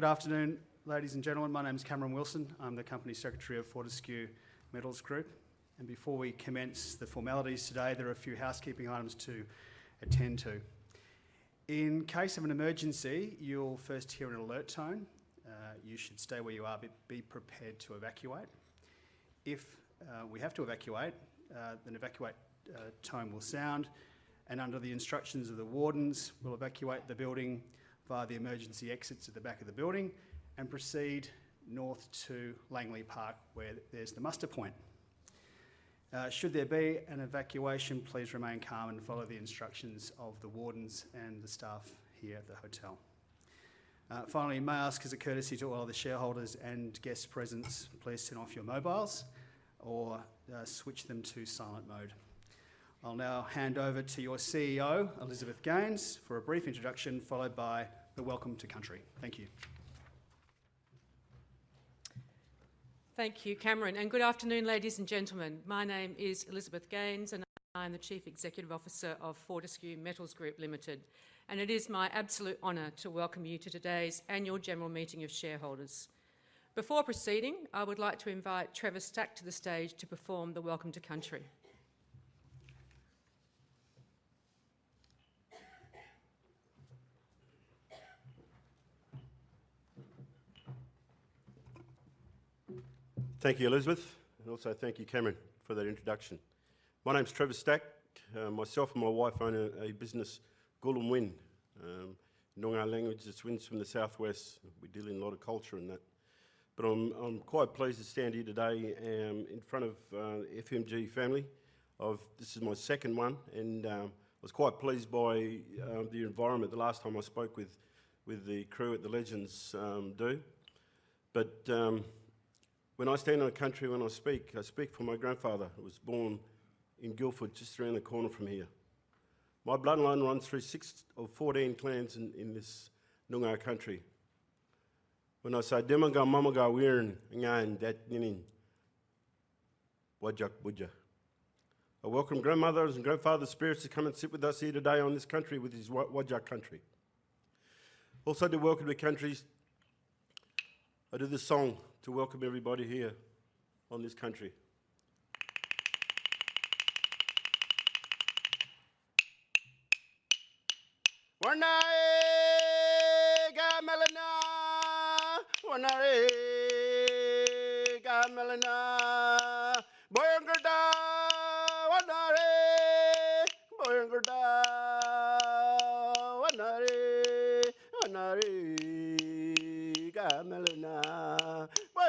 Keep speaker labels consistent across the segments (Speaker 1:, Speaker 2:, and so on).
Speaker 1: Good afternoon, ladies and gentlemen. My name is Cameron Wilson. I'm the company secretary of Fortescue Metals Group. Before we commence the formalities today, there are a few housekeeping items to attend to. In case of an emergency, you'll first hear an alert tone. You should stay where you are, be prepared to evacuate. If we have to evacuate, an evacuation tone will sound, and under the instructions of the wardens, we'll evacuate the building via the emergency exits at the back of the building and proceed north to Langley Park, where there's the muster point. Should there be an evacuation, please remain calm and follow the instructions of the wardens and the staff here at the hotel. Finally, may I ask as a courtesy to all the shareholders and guests present, please turn off your mobiles or switch them to silent mode. I'll now hand over to your CEO, Elizabeth Gaines, for a brief introduction, followed by the Welcome to Country. Thank you.
Speaker 2: Thank you, Cameron, and good afternoon, ladies and gentlemen. My name is Elizabeth Gaines, and I am the Chief Executive Officer of Fortescue Metals Group Limited. It is my absolute honor to welcome you to today's annual general meeting of shareholders. Before proceeding, I would like to invite Trevor Stack to the stage to perform the Welcome to Country.
Speaker 3: Thank you, Elizabeth, and also thank you, Cameron, for that introduction. My name's Trevor Stack. Myself and my wife own a business, Goolamwiin. Noongar language, it's Winds from the Southwest. We deal in a lot of culture and that. I'm quite pleased to stand here today in front of FMG family. This is my second one, and I was quite pleased by the environment the last time I spoke with the crew at the Legends do. When I stand on a country, when I speak, I speak for my grandfather, who was born in Guildford, just around the corner from here. My bloodline runs through six of 14 clans in this Noongar country. When I say, I welcome grandmothers' and grandfathers' spirits to come and sit with us here today on this country, which is Whadjuk country. Also, to welcome to country, I do this song to welcome everybody here on this country.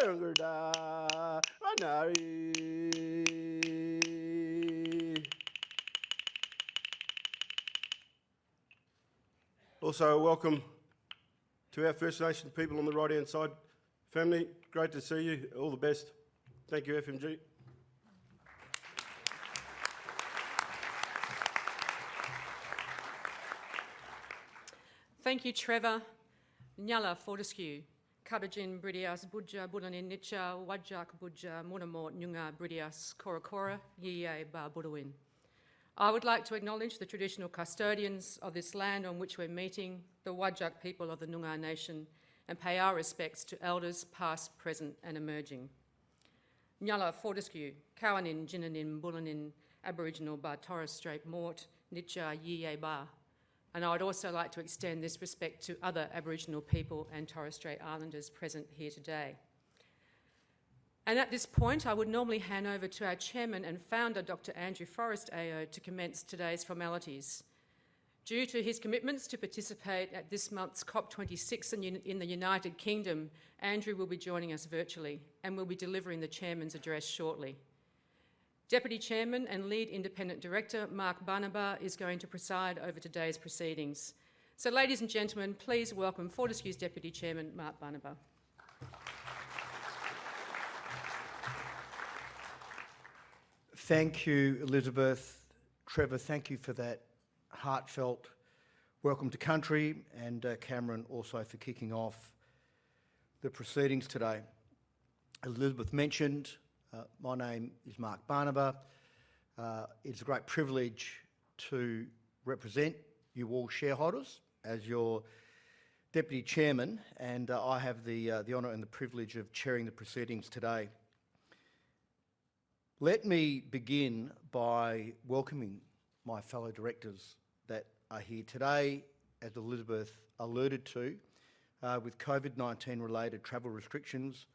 Speaker 3: Also, welcome to our First Nation people on the right-hand side. Family, great to see you. All the best. Thank you, FMG.
Speaker 2: Thank you, Trevor. I would like to acknowledge the traditional custodians of this land on which we're meeting, the Whadjuk people of the Noongar nation, and pay our respects to elders past, present, and emerging. I would also like to extend this respect to other Aboriginal people and Torres Strait Islanders present here today. At this point, I would normally hand over to our Chairman and Founder, Dr. Andrew Forrest AO, to commence today's formalities. Due to his commitments to participate at this month's COP26 in the United Kingdom, Andrew will be joining us virtually and will be delivering the chairman's address shortly. Deputy Chairman and Lead Independent Director, Mark Barnaba, is going to preside over today's proceedings. Ladies and gentlemen, please welcome Fortescue's Deputy Chairman, Mark Barnaba.
Speaker 4: Thank you, Elizabeth. Trevor, thank you for that heartfelt Welcome to Country, and, Cameron also for kicking off the proceedings today. As Elizabeth mentioned, my name is Mark Barnaba. It's a great privilege to represent you all shareholders as your Deputy Chairman, and, I have the honor and the privilege of chairing the proceedings today. Let me begin by welcoming my fellow directors that are here today. As Elizabeth alluded to, with COVID-19 related travel restrictions,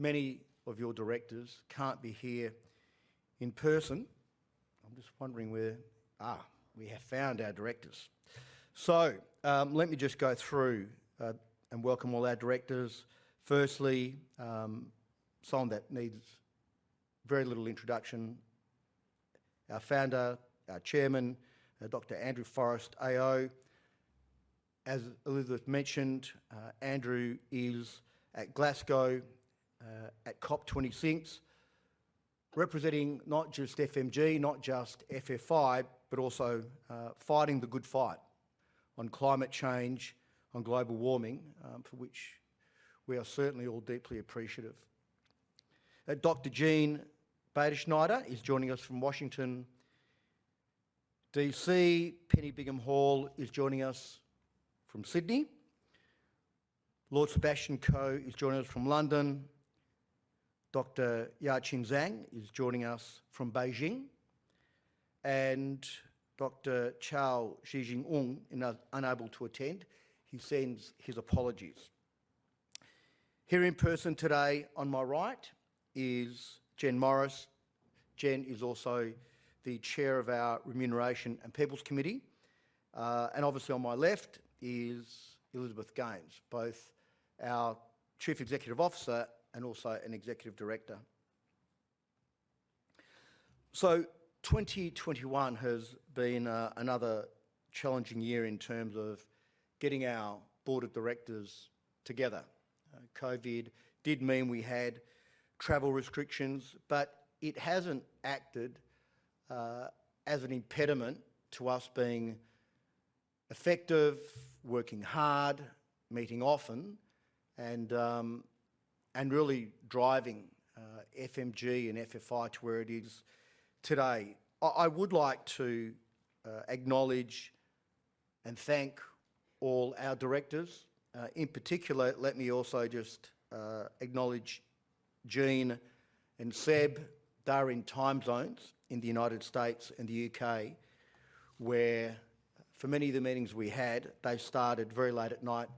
Speaker 4: many of your directors can't be here in person. We have found our directors. Let me just go through and welcome all our directors. Firstly, someone that needs very little introduction, our founder, our chairman, Dr. Andrew Forrest AO. As Elizabeth mentioned, Andrew is at Glasgow at COP26, representing not just FMG, not just FFI, but also fighting the good fight on climate change, on global warming, for which we are certainly all deeply appreciative. Dr. Jean Baderschneiderr is joining us from Washington, D.C. Penny Bingham-Hall is joining us from Sydney. Lord Sebastian Coe is joining us from London. Dr. Yaqin Zhang is joining us from Beijing. Dr. Chow Chee Jing Ung, unable to attend, he sends his apologies. Here in person today on my right is Jen Morris. Jen is also the chair of our Remuneration and People Committee. And obviously on my left is Elizabeth Gaines, both our Chief Executive Officer and also an Executive Director. 2021 has been another challenging year in terms of getting our board of directors together. COVID did mean we had travel restrictions, but it hasn't acted as an impediment to us being effective, working hard, meeting often, and really driving FMG and FFI to where it is today. I would like to acknowledge and thank all our directors. In particular, let me also just acknowledge Jean and Seb. They are in time zones in the U.S. and the U.K., where for many of the meetings we had, they started very late at night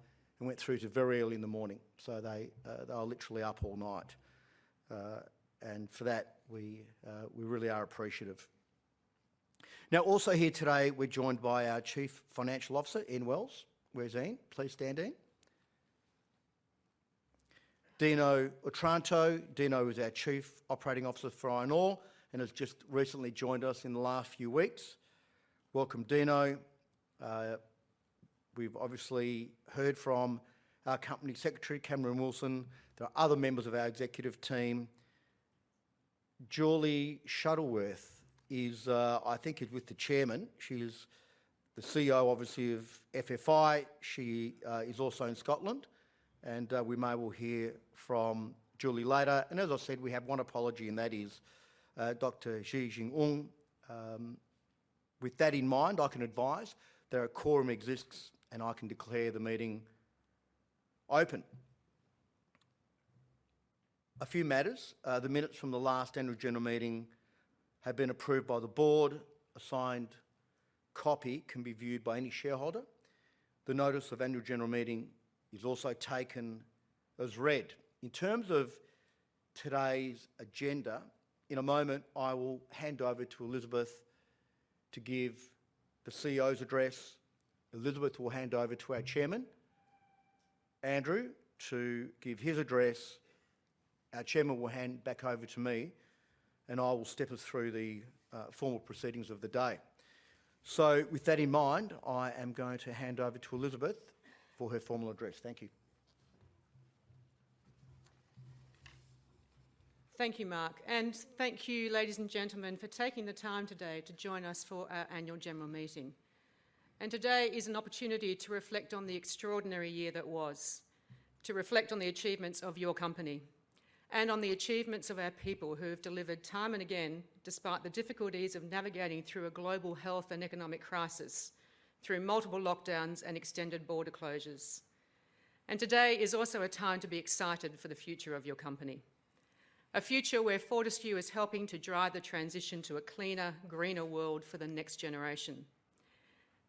Speaker 4: and went through to very early in the morning. They were literally up all night. For that, we really are appreciative. Now, also here today, we're joined by our Chief Financial Officer, Ian Wells. Where's Ian? Please stand, Ian. Dino Otranto. Dino is our Chief Operating Officer for iron ore and has just recently joined us in the last few weeks. Welcome, Dino. We've obviously heard from our Company Secretary, Cameron Wilson. There are other members of our executive team. Julie Shuttleworth is, I think, with the chairman. She is the CEO, obviously, of FFI. She is also in Scotland, and we may well hear from Julie later. As I said, we have one apology, and that is Dr. Chee Jing Ng. With that in mind, I can advise that a quorum exists, and I can declare the meeting open. A few matters. The minutes from the last annual general meeting have been approved by the board. A signed copy can be viewed by any shareholder. The notice of annual general meeting is also taken as read. In terms of today's agenda, in a moment, I will hand over to Elizabeth to give the CEO's address. Elizabeth will hand over to our chairman, Andrew, to give his address. Our Chairman will hand back over to me, and I will step us through the formal proceedings of the day. With that in mind, I am going to hand over to Elizabeth for her formal address. Thank you.
Speaker 2: Thank you, Mark. Thank you, ladies and gentlemen, for taking the time today to join us for our annual general meeting. Today is an opportunity to reflect on the extraordinary year that was, to reflect on the achievements of your company, and on the achievements of our people who have delivered time and again, despite the difficulties of navigating through a global health and economic crisis, through multiple lockdowns and extended border closures. Today is also a time to be excited for the future of your company, a future where Fortescue is helping to drive the transition to a cleaner, greener world for the next generation.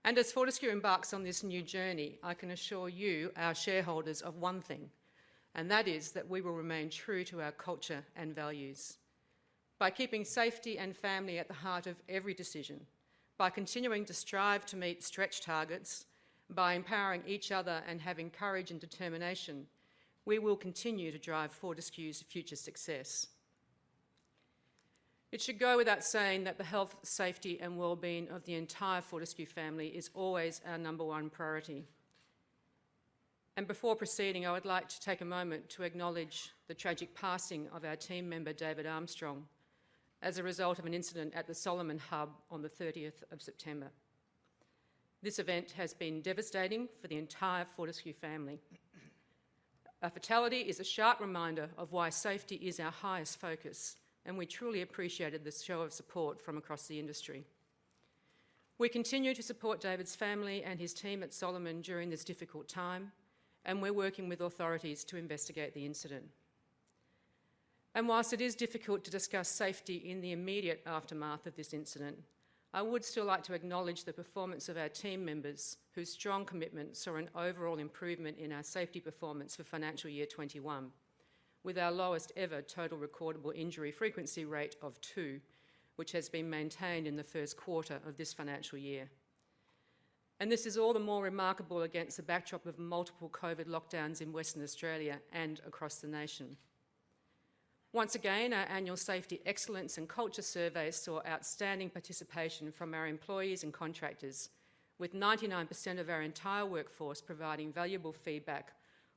Speaker 2: As Fortescue embarks on this new journey, I can assure you, our shareholders, of one thing, and that is that we will remain true to our culture and values. By keeping safety and family at the heart of every decision, by continuing to strive to meet stretch targets, by empowering each other and having courage and determination, we will continue to drive Fortescue's future success. It should go without saying that the health, safety, and well-being of the entire Fortescue family is always our number one priority. Before proceeding, I would like to take a moment to acknowledge the tragic passing of our team member, David Armstrong, as a result of an incident at the Solomon Hub on the 30th of September. This event has been devastating for the entire Fortescue family. A fatality is a sharp reminder of why safety is our highest focus, and we truly appreciated the show of support from across the industry. We continue to support David's family and his team at Solomon during this difficult time, and we're working with authorities to investigate the incident. While it is difficult to discuss safety in the immediate aftermath of this incident, I would still like to acknowledge the performance of our team members, whose strong commitments are an overall improvement in our safety performance for FY 2021, with our lowest ever total recordable injury frequency rate of two, which has been maintained in the first quarter of this financial year. This is all the more remarkable against the backdrop of multiple COVID lockdowns in Western Australia and across the nation. Once again, our annual safety excellence and culture survey saw outstanding participation from our employees and contractors, with 99% of our entire workforce providing valuable feedback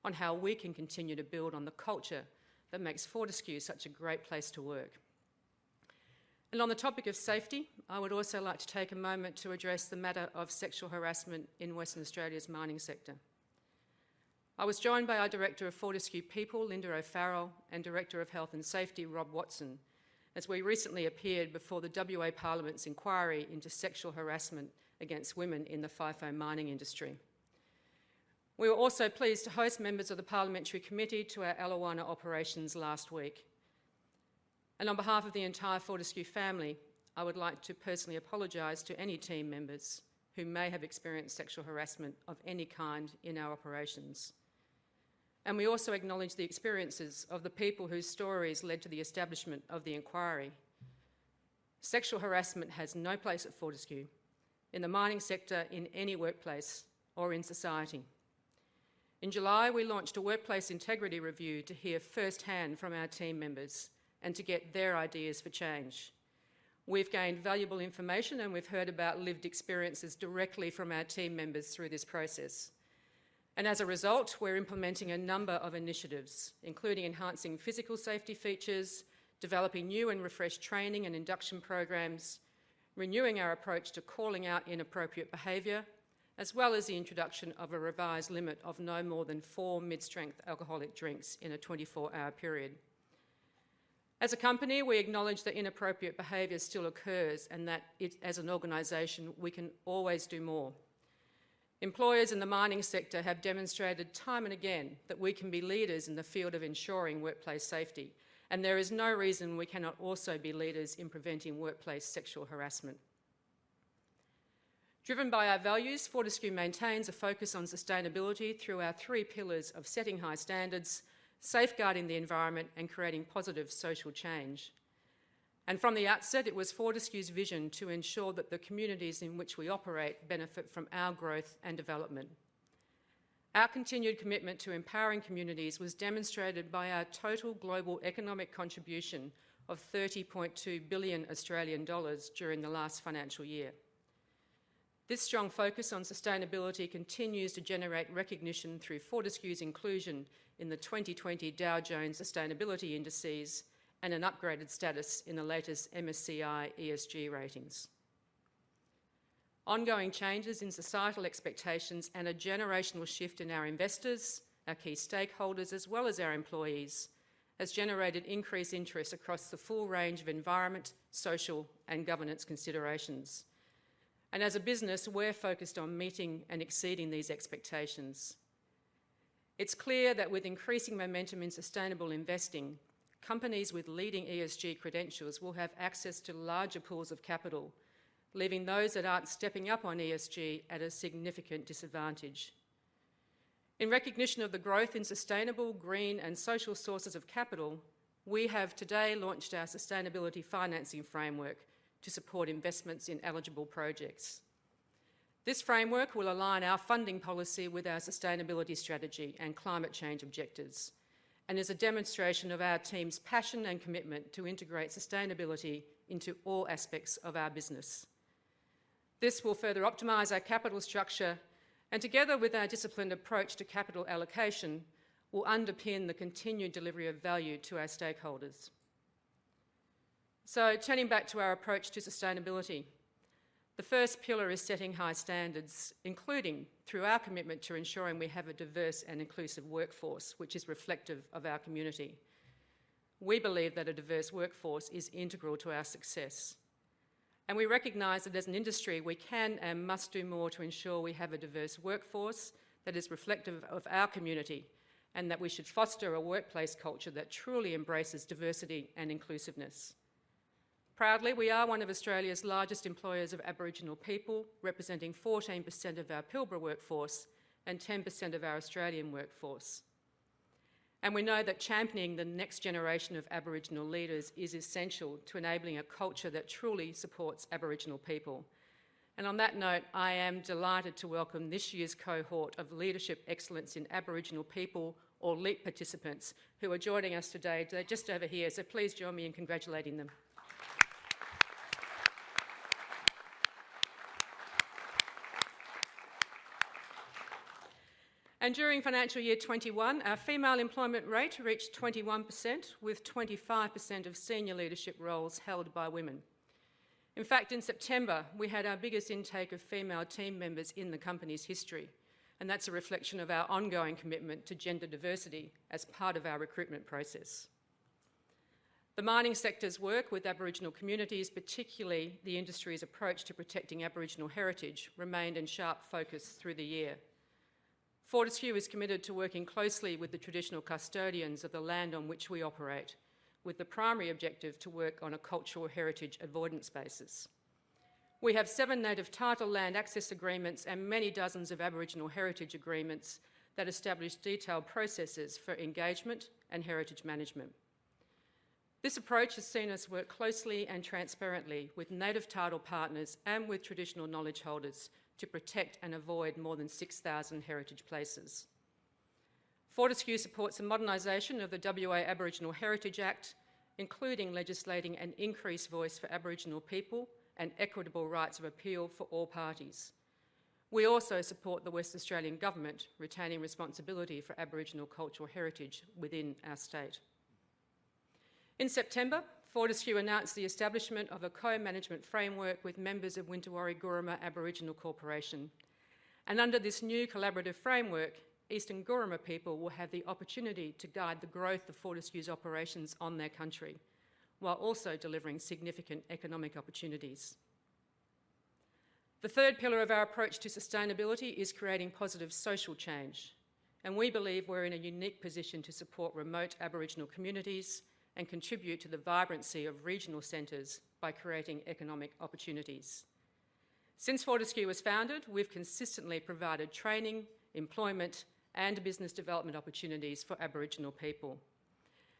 Speaker 2: on how we can continue to build on the culture that makes Fortescue such a great place to work. On the topic of safety, I would also like to take a moment to address the matter of sexual harassment in Western Australia's mining sector. I was joined by our Director of Fortescue People, Linda O'Farrell, and Director of Health and Safety, Rob Watson as we recently appeared before the WA Parliament's inquiry into sexual harassment against women in the FIFO mining industry. We were also pleased to host members of the parliamentary committee to our Eliwana operations last week. On behalf of the entire Fortescue family, I would like to personally apologize to any team members who may have experienced sexual harassment of any kind in our operations, and we also acknowledge the experiences of the people whose stories led to the establishment of the inquiry. Sexual harassment has no place at Fortescue, in the mining sector, in any workplace, or in society. In July, we launched a workplace integrity review to hear first-hand from our team members and to get their ideas for change. We've gained valuable information, and we've heard about lived experiences directly from our team members through this process. As a result, we're implementing a number of initiatives, including enhancing physical safety features, developing new and refreshed training and induction programs, renewing our approach to calling out inappropriate behavior, as well as the introduction of a revised limit of no more than four mid-strength alcoholic drinks in a 24-hour period. As a company, we acknowledge that inappropriate behavior still occurs and that as an organization, we can always do more. Employers in the mining sector have demonstrated time and again that we can be leaders in the field of ensuring workplace safety, and there is no reason we cannot also be leaders in preventing workplace sexual harassment. Driven by our values, Fortescue maintains a focus on sustainability through our three pillars of setting high standards, safeguarding the environment, and creating positive social change. From the outset, it was Fortescue's vision to ensure that the communities in which we operate benefit from our growth and development. Our continued commitment to empowering communities was demonstrated by our total global economic contribution of 30.2 billion Australian dollars during the last financial year. This strong focus on sustainability continues to generate recognition through Fortescue's inclusion in the 2020 Dow Jones Sustainability Indices and an upgraded status in the latest MSCI ESG ratings. Ongoing changes in societal expectations and a generational shift in our investors, our key stakeholders, as well as our employees, has generated increased interest across the full range of environment, social, and governance considerations. As a business, we're focused on meeting and exceeding these expectations. It's clear that with increasing momentum in sustainable investing, companies with leading ESG credentials will have access to larger pools of capital, leaving those that aren't stepping up on ESG at a significant disadvantage. In recognition of the growth in sustainable, green, and social sources of capital, we have today launched our sustainability financing framework to support investments in eligible projects. This framework will align our funding policy with our sustainability strategy and climate change objectives, and is a demonstration of our team's passion and commitment to integrate sustainability into all aspects of our business. This will further optimize our capital structure, and together with our disciplined approach to capital allocation, will underpin the continued delivery of value to our stakeholders. Turning back to our approach to sustainability, the first pillar is setting high standards, including through our commitment to ensuring we have a diverse and inclusive workforce which is reflective of our community. We believe that a diverse workforce is integral to our success, and we recognize that as an industry, we can and must do more to ensure we have a diverse workforce that is reflective of our community and that we should foster a workplace culture that truly embraces diversity and inclusiveness. Proudly, we are one of Australia's largest employers of Aboriginal people, representing 14% of our Pilbara workforce and 10% of our Australian workforce. We know that championing the next generation of Aboriginal leaders is essential to enabling a culture that truly supports Aboriginal people. On that note, I am delighted to welcome this year's cohort of Leadership Excellence in Aboriginal People or LEAP participants who are joining us today. They're just over here, so please join me in congratulating them. During FY 2021, our female employment rate reached 21%, with 25% of senior leadership roles held by women. In fact, in September, we had our biggest intake of female team members in the company's history, and that's a reflection of our ongoing commitment to gender diversity as part of our recruitment process. The mining sector's work with Aboriginal communities, particularly the industry's approach to protecting Aboriginal heritage, remained in sharp focus through the year. Fortescue is committed to working closely with the traditional custodians of the land on which we operate, with the primary objective to work on a cultural heritage avoidance basis. We have seven Native Title land access agreements and many dozens of Aboriginal heritage agreements that establish detailed processes for engagement and heritage management. This approach has seen us work closely and transparently with Native Title partners and with traditional knowledge holders to protect and avoid more than 6,000 heritage places. Fortescue supports the modernization of the WA Aboriginal Heritage Act, including legislating an increased voice for Aboriginal people and equitable rights of appeal for all parties. We also support the Western Australian Government retaining responsibility for Aboriginal cultural heritage within our state. In September, Fortescue announced the establishment of a co-management framework with members of Wintawari Guruma Aboriginal Corporation. Under this new collaborative framework, Eastern Guruma people will have the opportunity to guide the growth of Fortescue's operations on their country, while also delivering significant economic opportunities. The third pillar of our approach to sustainability is creating positive social change, and we believe we're in a unique position to support remote Aboriginal communities and contribute to the vibrancy of regional centers by creating economic opportunities. Since Fortescue was founded, we've consistently provided training, employment, and business development opportunities for Aboriginal people,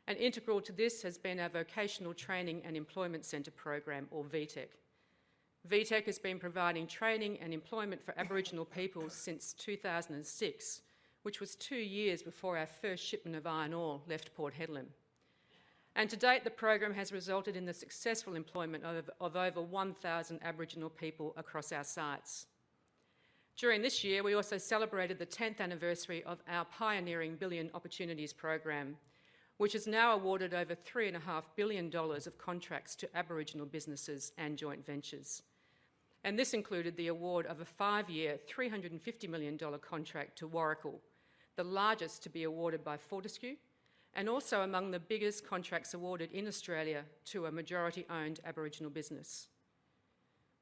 Speaker 2: and integral to this has been our Vocational Training and Employment Center program, or VTEC. VTEC has been providing training and employment for Aboriginal people since 2006, which was two years before our first shipment of iron ore left Port Hedland. To date, the program has resulted in the successful employment of over 1,000 Aboriginal people across our sites. During this year, we also celebrated the tenth anniversary of our pioneering Billion Opportunities program, which has now awarded over 3.5 billion dollars of contracts to Aboriginal businesses and joint ventures. This included the award of a five-year, 350 million dollar contract to Warrikal, the largest to be awarded by Fortescue, and also among the biggest contracts awarded in Australia to a majority-owned Aboriginal business.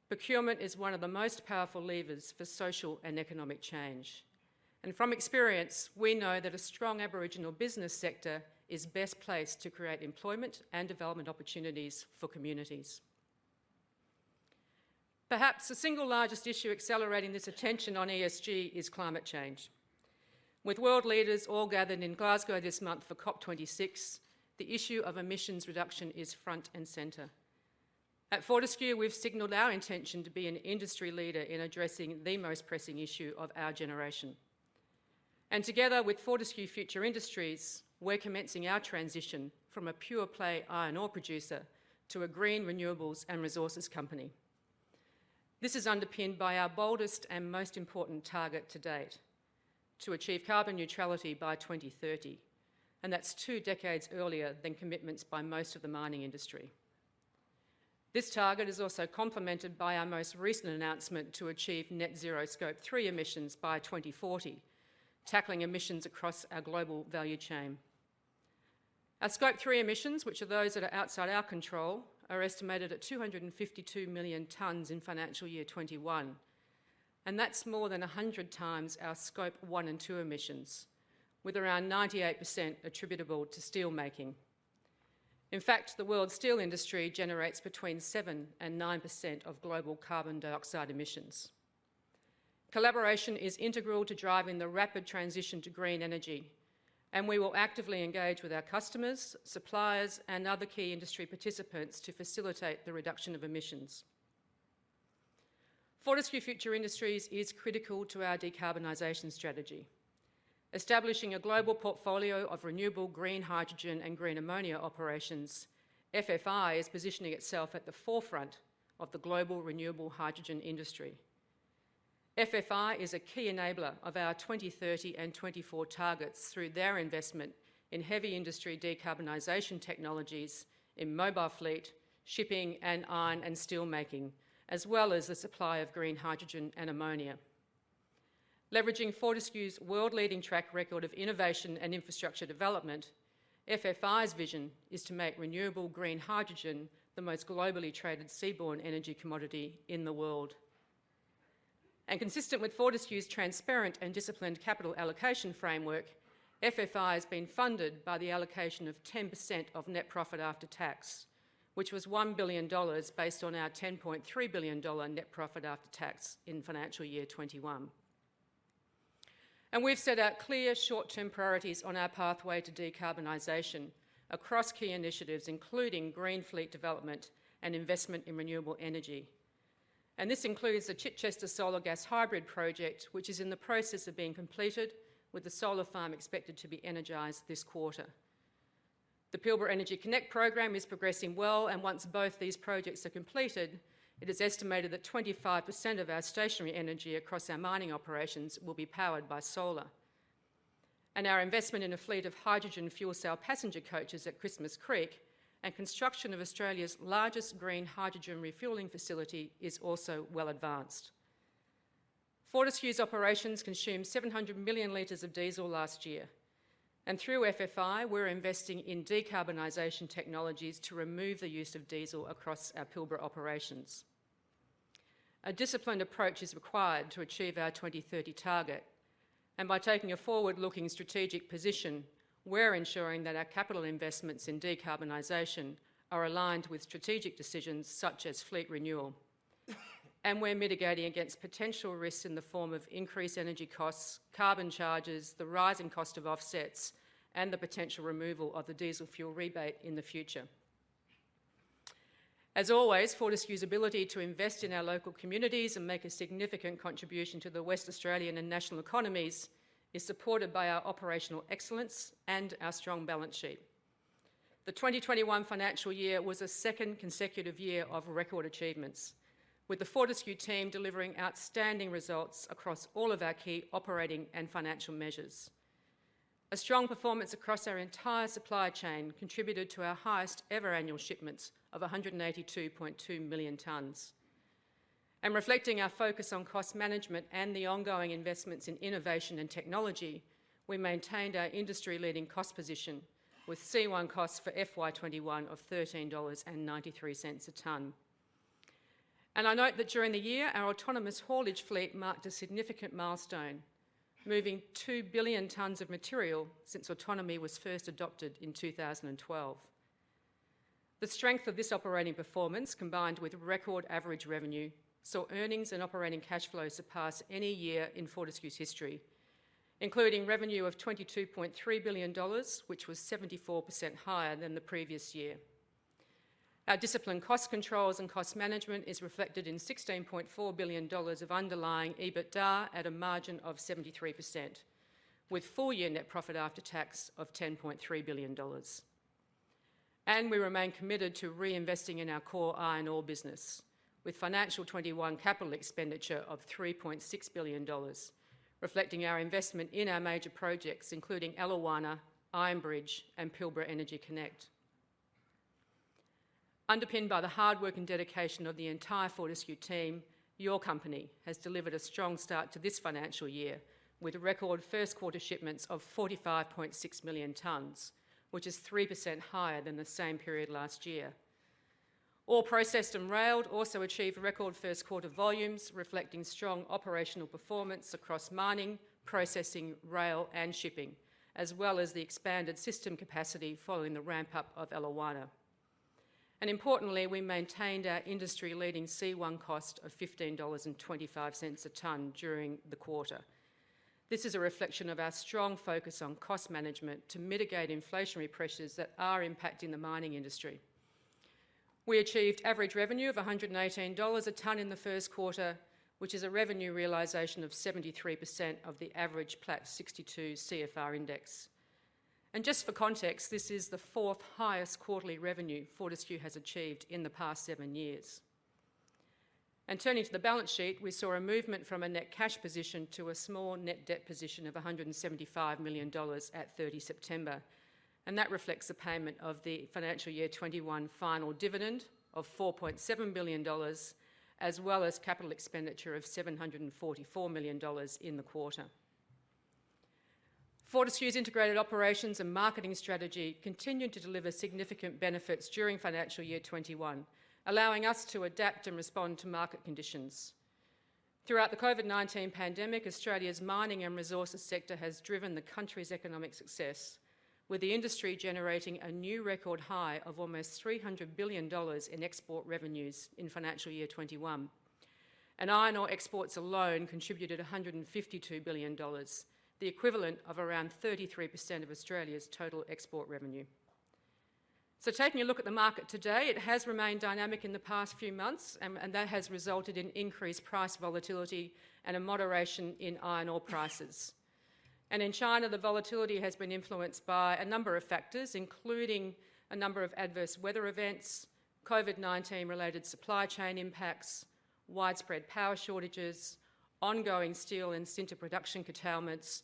Speaker 2: Procurement is one of the most powerful levers for social and economic change. From experience, we know that a strong Aboriginal business sector is best placed to create employment and development opportunities for communities. Perhaps the single largest issue accelerating this attention on ESG is climate change. With world leaders all gathered in Glasgow this month for COP26, the issue of emissions reduction is front and center. At Fortescue, we've signaled our intention to be an industry leader in addressing the most pressing issue of our generation. Together with Fortescue Future Industries, we're commencing our transition from a pure-play iron ore producer to a green renewables and resources company. This is underpinned by our boldest and most important target to date, to achieve carbon neutrality by 2030, and that's two decades earlier than commitments by most of the mining industry. This target is also complemented by our most recent announcement to achieve net zero Scope 3 emissions by 2040, tackling emissions across our global value chain. Our Scope 3 emissions, which are those that are outside our control, are estimated at 252 million tons in FY 2021, and that's more than 100 times our Scope 1 and 2 emissions, with around 98% attributable to steel making. In fact, the world steel industry generates between 7%-9% of global carbon dioxide emissions. Collaboration is integral to driving the rapid transition to green energy, and we will actively engage with our customers, suppliers, and other key industry participants to facilitate the reduction of emissions. Fortescue Future Industries is critical to our decarbonization strategy. Establishing a global portfolio of renewable green hydrogen and green ammonia operations, FFI is positioning itself at the forefront of the global renewable hydrogen industry. FFI is a key enabler of our 2030 and 2024 targets through their investment in heavy industry decarbonization technologies in mobile fleet, shipping, and iron and steel making, as well as the supply of green hydrogen and ammonia. Leveraging Fortescue's world-leading track record of innovation and infrastructure development, FFI's vision is to make renewable green hydrogen the most globally traded seaborne energy commodity in the world. Consistent with Fortescue's transparent and disciplined capital allocation framework, FFI has been funded by the allocation of 10% of net profit after tax, which was 1 billion dollars based on our 10.3 billion dollar net profit after tax in financial year 2021. We've set out clear short-term priorities on our pathway to decarbonization across key initiatives, including green fleet development and investment in renewable energy. This includes the Chichester Solar Gas Hybrid project, which is in the process of being completed with the solar farm expected to be energized this quarter. The Pilbara Energy Connect program is progressing well, and once both these projects are completed, it is estimated that 25% of our stationary energy across our mining operations will be powered by solar. Our investment in a fleet of hydrogen fuel cell passenger coaches at Christmas Creek and construction of Australia's largest green hydrogen refueling facility is also well advanced. Fortescue's operations consumed 700 million liters of diesel last year, and through FFI, we're investing in decarbonization technologies to remove the use of diesel across our Pilbara operations. A disciplined approach is required to achieve our 2030 target, and by taking a forward-looking strategic position, we're ensuring that our capital investments in decarbonization are aligned with strategic decisions such as fleet renewal. We're mitigating against potential risks in the form of increased energy costs, carbon charges, the rising cost of offsets, and the potential removal of the diesel fuel rebate in the future. As always, Fortescue's ability to invest in our local communities and make a significant contribution to the West Australian and national economies is supported by our operational excellence and our strong balance sheet. The 2021 financial year was a second consecutive year of record achievements, with the Fortescue team delivering outstanding results across all of our key operating and financial measures. A strong performance across our entire supply chain contributed to our highest ever annual shipments of 182.2 million tons. Reflecting our focus on cost management and the ongoing investments in innovation and technology, we maintained our industry-leading cost position with C1 costs for FY 2021 of 13.93 dollars a ton. I note that during the year, our autonomous haulage fleet marked a significant milestone, moving 2 billion tons of material since autonomy was first adopted in 2012. The strength of this operating performance, combined with record average revenue, saw earnings and operating cash flow surpass any year in Fortescue's history, including revenue of 22.3 billion dollars, which was 74% higher than the previous year. Our disciplined cost controls and cost management is reflected in 16.4 billion dollars of underlying EBITDA at a margin of 73%, with full-year net profit after tax of 10.3 billion dollars. We remain committed to reinvesting in our core iron ore business with FY 2021 capital expenditure of 3.6 billion dollars, reflecting our investment in our major projects, including Eliwana, Iron Bridge, and Pilbara Energy Connect. Underpinned by the hard work and dedication of the entire Fortescue team, your company has delivered a strong start to this financial year with a record first quarter shipments of 45.6 million tons, which is 3% higher than the same period last year. Ore processed and railed also achieved record first quarter volumes, reflecting strong operational performance across mining, processing, rail, and shipping, as well as the expanded system capacity following the ramp-up of Eliwana. Importantly, we maintained our industry-leading C1 cost of 15.25 dollars a ton during the quarter. This is a reflection of our strong focus on cost management to mitigate inflationary pressures that are impacting the mining industry. We achieved average revenue of 118 dollars a ton in the first quarter, which is a revenue realization of 73% of the average Platts 62 CFR index. Just for context, this is the fourth highest quarterly revenue Fortescue has achieved in the past seven years. Turning to the balance sheet, we saw a movement from a net cash position to a small net debt position of 175 million dollars at 30 September, and that reflects the payment of the FY 2021 final dividend of 4.7 billion dollars as well as capital expenditure of 744 million dollars in the quarter. Fortescue's integrated operations and marketing strategy continued to deliver significant benefits during FY 2021, allowing us to adapt and respond to market conditions. Throughout the COVID-19 pandemic, Australia's mining and resources sector has driven the country's economic success, with the industry generating a new record high of almost 300 billion dollars in export revenues in FY 2021. Iron ore exports alone contributed 152 billion dollars, the equivalent of around 33% of Australia's total export revenue. Taking a look at the market today, it has remained dynamic in the past few months and that has resulted in increased price volatility and a moderation in iron ore prices. In China, the volatility has been influenced by a number of factors, including a number of adverse weather events, COVID-19 related supply chain impacts, widespread power shortages, ongoing steel and sinter production curtailments,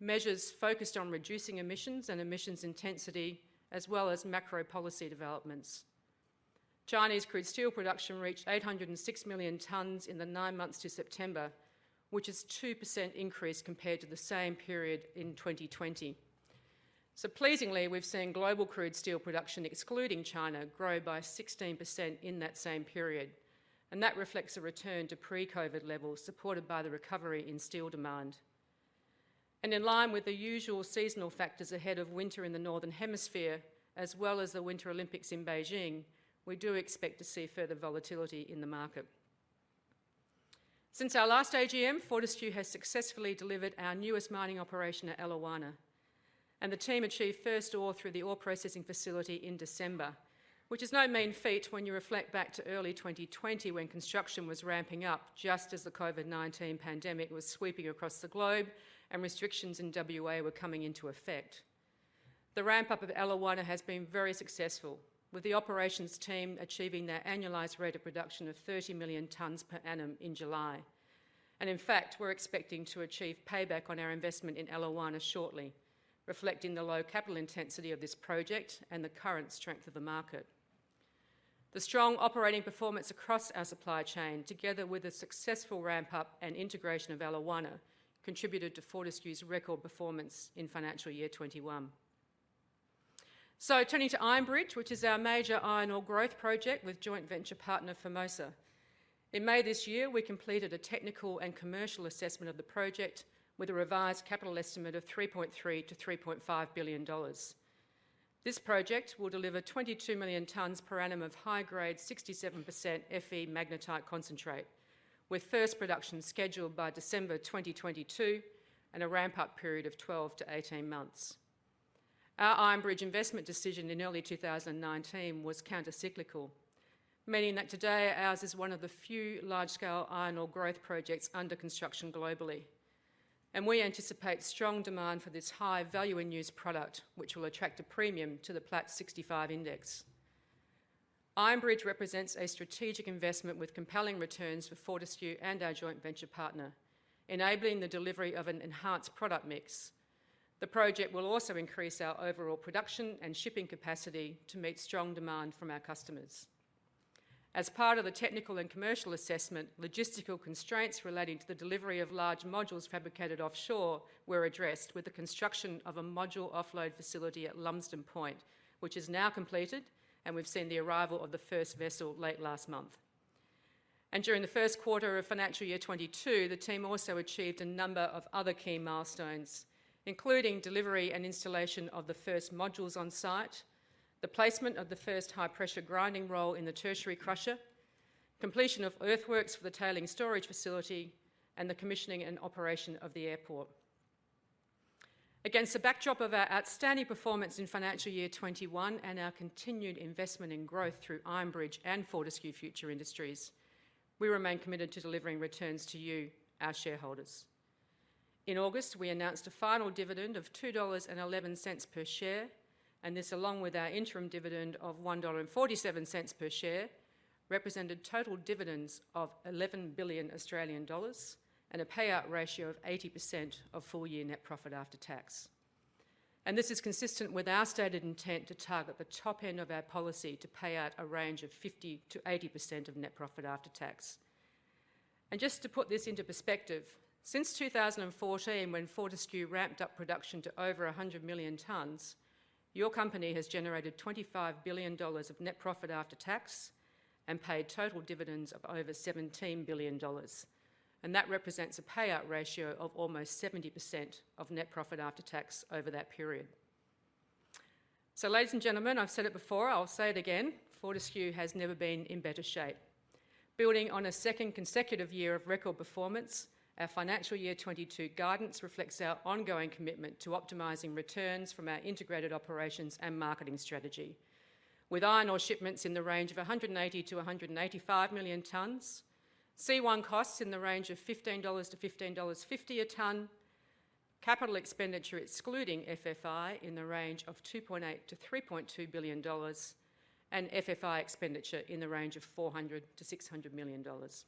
Speaker 2: measures focused on reducing emissions and emissions intensity, as well as macro policy developments. Chinese crude steel production reached 806 million tons in the nine months to September, which is 2% increase compared to the same period in 2020. Pleasingly, we've seen global crude steel production, excluding China, grow by 16% in that same period, and that reflects a return to pre-COVID levels supported by the recovery in steel demand. In line with the usual seasonal factors ahead of winter in the northern hemisphere, as well as the Winter Olympics in Beijing, we do expect to see further volatility in the market. Since our last AGM, Fortescue has successfully delivered our newest mining operation at Eliwana, and the team achieved first ore through the ore processing facility in December, which is no mean feat when you reflect back to early 2020 when construction was ramping up just as the COVID-19 pandemic was sweeping across the globe and restrictions in WA were coming into effect. The ramp-up of Eliwana has been very successful, with the operations team achieving their annualized rate of production of 30 million tons per annum in July. In fact, we're expecting to achieve payback on our investment in Eliwana shortly, reflecting the low capital intensity of this project and the current strength of the market. The strong operating performance across our supply chain, together with the successful ramp-up and integration of Eliwana, contributed to Fortescue's record performance in FY 2021. Turning to Iron Bridge, which is our major iron ore growth project with joint venture partner FMG. In May this year, we completed a technical and commercial assessment of the project with a revised capital estimate of 3.3 billion-3.5 billion dollars. This project will deliver 22 million tons per annum of high-grade 67% Fe magnetite concentrate, with first production scheduled by December 2022 and a ramp-up period of 12-18 months. Our Iron Bridge investment decision in early 2019 was counter-cyclical, meaning that today ours is one of the few large-scale iron ore growth projects under construction globally, and we anticipate strong demand for this high-value end-use product, which will attract a premium to the Platts 65 index. Iron Bridge represents a strategic investment with compelling returns for Fortescue and our joint venture partner, enabling the delivery of an enhanced product mix. The project will also increase our overall production and shipping capacity to meet strong demand from our customers. As part of the technical and commercial assessment, logistical constraints relating to the delivery of large modules fabricated offshore were addressed with the construction of a module offload facility at Lumsden Point, which is now completed, and we've seen the arrival of the first vessel late last month. During the first quarter of FY 2022, the team also achieved a number of other key milestones, including delivery and installation of the first modules on site, the placement of the first high pressure grinding roll in the tertiary crusher, completion of earthworks for the tailings storage facility, and the commissioning and operation of the airport. Against a backdrop of our outstanding performance in FY 2021 and our continued investment in growth through Iron Bridge and Fortescue Future Industries, we remain committed to delivering returns to you, our shareholders. In August, we announced a final dividend of 2.11 dollars per share, and this, along with our interim dividend of 1.47 dollar per share, represented total dividends of 11 billion Australian dollars and a payout ratio of 80% of full-year net profit after tax. This is consistent with our stated intent to target the top end of our policy to pay out a range of 50%-80% of net profit after tax. Just to put this into perspective, since 2014, when Fortescue ramped up production to over 100 million tons, your company has generated 25 billion dollars of net profit after tax and paid total dividends of over 17 billion dollars. That represents a payout ratio of almost 70% of net profit after tax over that period. Ladies and gentlemen, I've said it before, I'll say it again, Fortescue has never been in better shape. Building on a second consecutive year of record performance, our financial year 2022 guidance reflects our ongoing commitment to optimizing returns from our integrated operations and marketing strategy. With iron ore shipments in the range of 180-185 million tons, C1 costs in the range of 15-15.50 dollars/ton, capital expenditure excluding FFI in the range of 2.8 billion-3.2 billion dollars, and FFI expenditure in the range of 400-600 million dollars.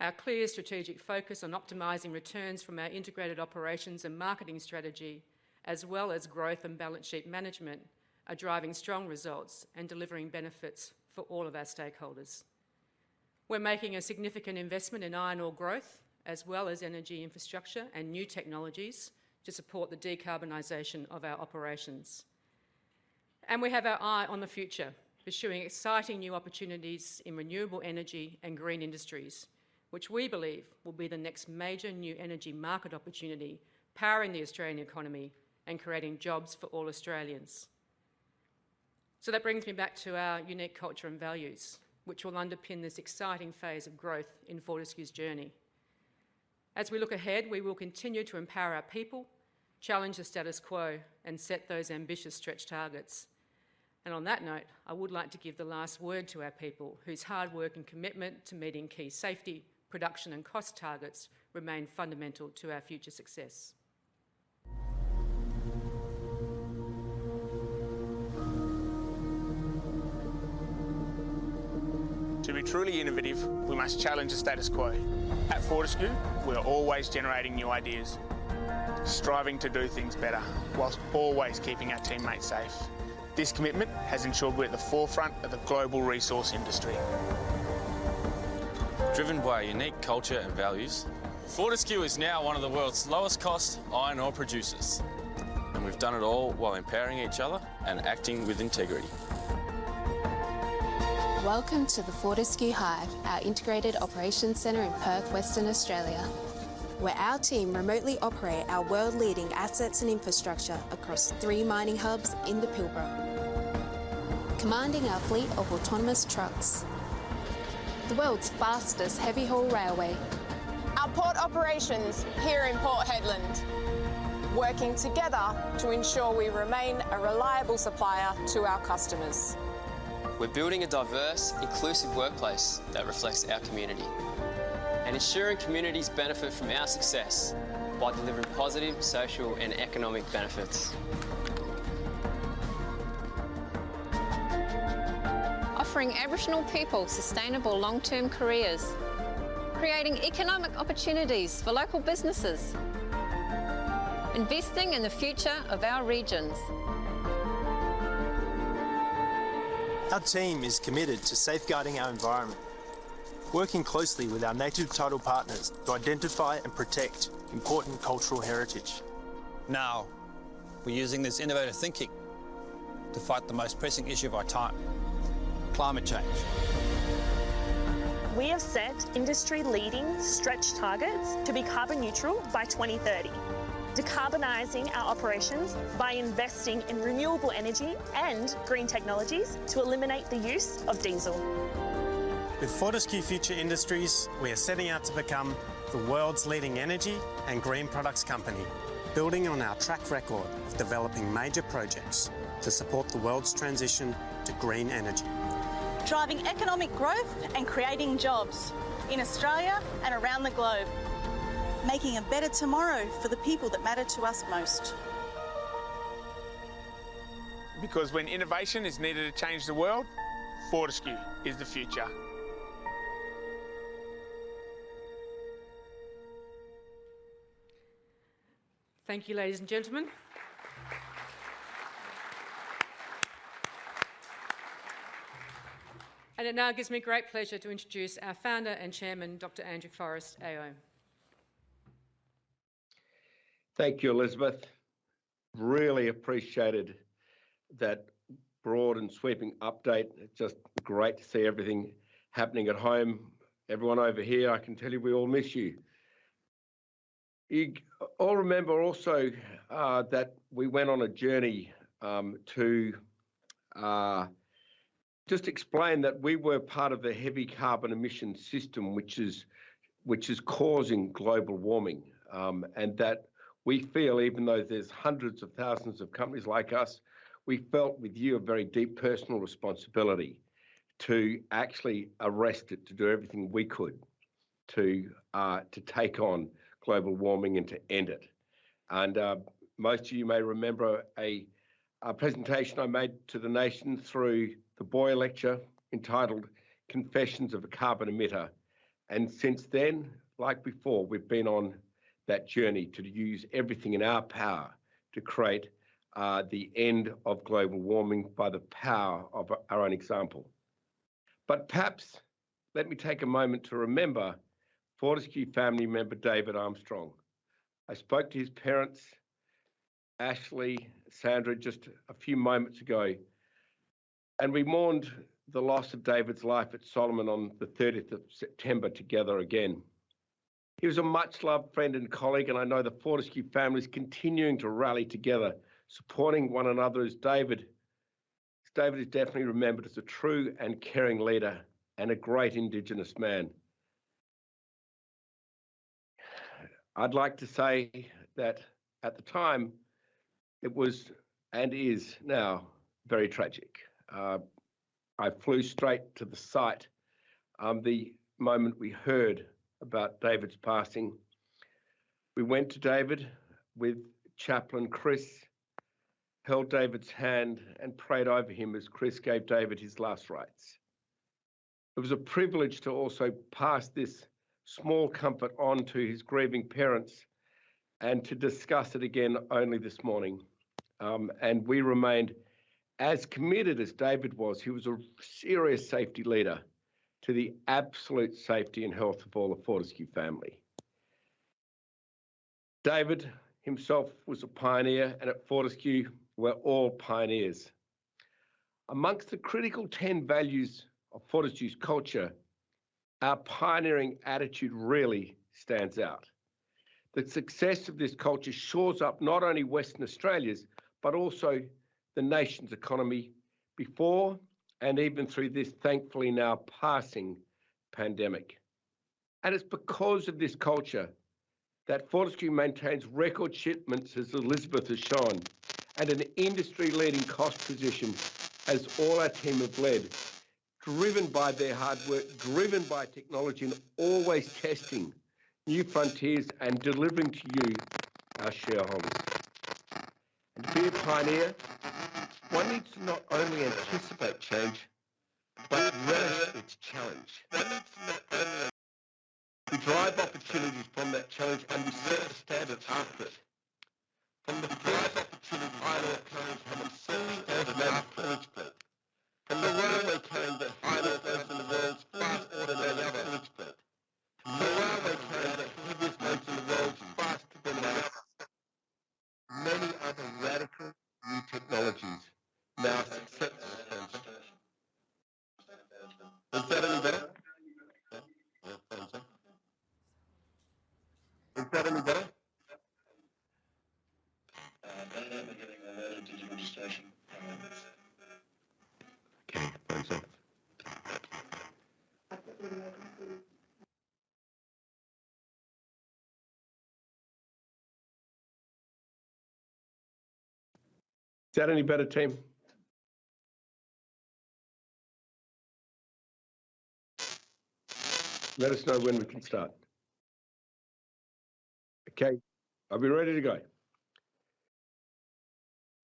Speaker 2: Our clear strategic focus on optimizing returns from our integrated operations and marketing strategy, as well as growth and balance sheet management, are driving strong results and delivering benefits for all of our stakeholders. We're making a significant investment in iron ore growth as well as energy infrastructure and new technologies to support the decarbonization of our operations. We have our eye on the future, pursuing exciting new opportunities in renewable energy and green industries, which we believe will be the next major new energy market opportunity, powering the Australian economy and creating jobs for all Australians. That brings me back to our unique culture and values, which will underpin this exciting phase of growth in Fortescue's journey. As we look ahead, we will continue to empower our people, challenge the status quo, and set those ambitious stretch targets. On that note, I would like to give the last word to our people, whose hard work and commitment to meeting key safety, production, and cost targets remain fundamental to our future success.
Speaker 5: To be truly innovative, we must challenge the status quo. At Fortescue, we are always generating new ideas, striving to do things better, while always keeping our teammates safe. This commitment has ensured we're at the forefront of the global resource industry. Driven by our unique culture and values, Fortescue is now one of the world's lowest cost iron ore producers. We've done it all while empowering each other and acting with integrity. Welcome to the Fortescue Hive, our integrated operations center in Perth, Western Australia, where our team remotely operate our world-leading assets and infrastructure across three mining hubs in the Pilbara, commanding our fleet of autonomous trucks, the world's fastest heavy-haul railway. Our port operations here in Port Hedland, working together to ensure we remain a reliable supplier to our customers. We're building a diverse, inclusive workplace that reflects our community and ensuring communities benefit from our success by delivering positive social and economic benefits. Offering Aboriginal people sustainable long-term careers, creating economic opportunities for local businesses, investing in the future of our regions. Our team is committed to safeguarding our environment, working closely with our native title partners to identify and protect important cultural heritage.
Speaker 6: Now, we're using this innovative thinking to fight the most pressing issue of our time: climate change.
Speaker 5: We have set industry-leading stretch targets to be carbon neutral by 2030, decarbonizing our operations by investing in renewable energy and green technologies to eliminate the use of diesel. With Fortescue Future Industries, we are setting out to become the world's leading energy and green products company, building on our track record of developing major projects to support the world's transition to green energy. Driving economic growth and creating jobs in Australia and around the globe. Making a better tomorrow for the people that matter to us most. Because when innovation is needed to change the world, Fortescue is the future.
Speaker 2: Thank you, ladies and gentlemen. It now gives me great pleasure to introduce our Founder and Chairman, Dr. Andrew Forrest AO.
Speaker 6: Thank you, Elizabeth. Really appreciated that broad and sweeping update. Just great to see everything happening at home. Everyone over here, I can tell you, we all miss you. You all remember also that we went on a journey to just explain that we were part of the heavy carbon emission system, which is causing global warming. That we feel, even though there's hundreds of thousands of companies like us, we felt with you a very deep personal responsibility to actually arrest it, to do everything we could to take on global warming and to end it. Most of you may remember a presentation I made to the nation through the Boyer Lecture entitled Confessions of a Carbon Emitter. Since then, like before, we've been on that journey to use everything in our power to create the end of global warming by the power of our own example. Perhaps let me take a moment to remember Fortescue family member David Armstrong. I spoke to his parents, Ashley, Sandra, just a few moments ago, and we mourned the loss of David's life at Solomon on the 3Oth of September together again. He was a much-loved friend and colleague, and I know the Fortescue family is continuing to rally together, supporting one another as David is definitely remembered as a true and caring leader and a great indigenous man. I'd like to say that at the time it was, and is now, very tragic. I flew straight to the site the moment we heard about David's passing. We went to David with Chaplain Chris, held David's hand and prayed over him as Chris gave David his last rites. It was a privilege to also pass this small comfort on to his grieving parents and to discuss it again only this morning. We remained as committed as David was. He was a serious safety leader to the absolute safety and health of all the Fortescue family. David himself was a pioneer, and at Fortescue, we're all pioneers. Amongst the critical 10 values of Fortescue's culture, our pioneering attitude really stands out. The success of this culture shores up not only Western Australia's, but also the nation's economy before and even through this, thankfully now passing pandemic. It's because of this culture that Fortescue maintains record shipments, as Elizabeth has shown, and an industry-leading cost position as all our team have led, driven by their hard work, driven by technology, and always testing new frontiers and delivering to you, our shareholders. To be a pioneer, one needs to not only anticipate change, but relish its challenge. We drive opportunities from that challenge, and we set the standard after it. From the first opportunity that occurred from seeing Earth from another perspective, and the world it came that humans went to the world's first automated prospect, to many other radical new technologies now successful. Is that any better? I don't know if we're getting a load of digital distortion. Okay, one sec. Is that any better, team? Let us know when we can start. Okay, are we ready to go?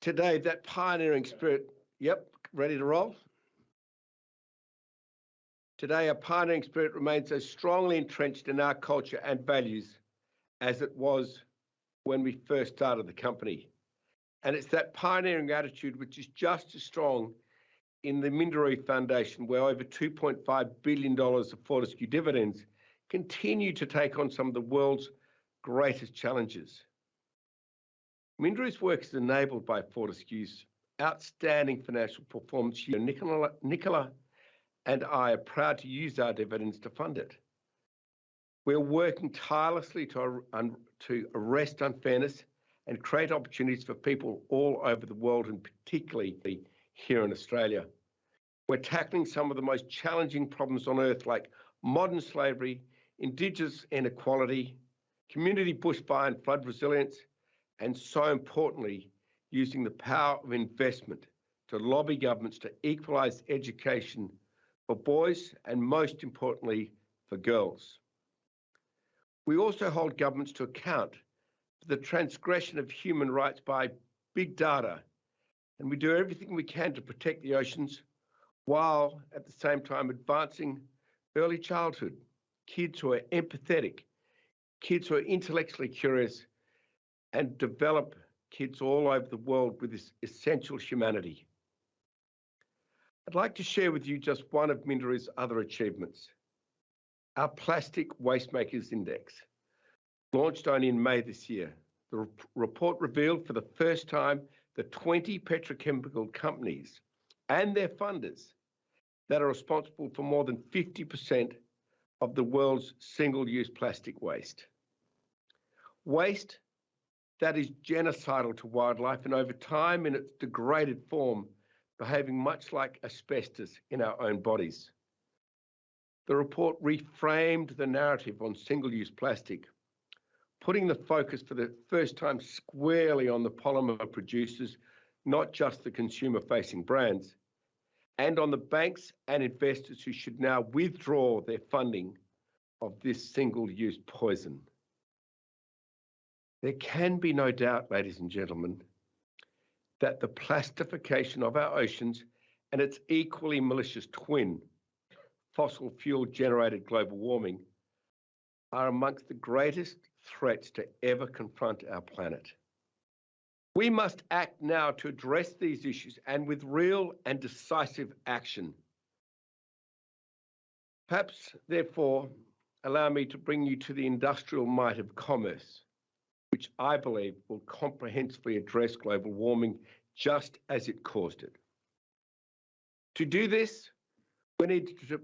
Speaker 6: Today, that pioneering spirit. Yep, ready to roll? Today, our pioneering spirit remains as strongly entrenched in our culture and values as it was when we first started the company. It's that pioneering attitude which is just as strong in the Minderoo Foundation, where over 2.5 billion dollars of Fortescue dividends continue to take on some of the world's greatest challenges. Minderoo's work is enabled by Fortescue's outstanding financial performance here. Nicola and I are proud to use our dividends to fund it. We're working tirelessly to arrest unfairness and create opportunities for people all over the world, and particularly here in Australia. We're tackling some of the most challenging problems on Earth, like modern slavery, indigenous inequality, community bushfire and flood resilience, and so importantly, using the power of investment to lobby governments to equalize education for boys and most importantly for girls. We also hold governments to account for the transgression of human rights by big data, and we do everything we can to protect the oceans while at the same time advancing early childhood, kids who are empathetic, kids who are intellectually curious, and develop kids all over the world with this essential humanity. I'd like to share with you just one of Minderoo's other achievements, our Plastic Waste Makers Index, launched only in May this year. The report revealed for the first time the 20 petrochemical companies and their funders that are responsible for more than 50% of the world's single-use plastic waste. Waste that is genocidal to wildlife and over time in its degraded form, behaving much like asbestos in our own bodies. The report reframed the narrative on single-use plastic, putting the focus for the first time squarely on the polymer producers, not just the consumer-facing brands, and on the banks and investors who should now withdraw their funding of this single-use poison. There can be no doubt, ladies and gentlemen, that the plastification of our oceans and its equally malicious twin, fossil fuel-generated global warming, are among the greatest threats to ever confront our planet. We must act now to address these issues and with real and decisive action. Perhaps therefore, allow me to bring you to the industrial might of commerce, which I believe will comprehensively address global warming just as it caused it. To do this, we need to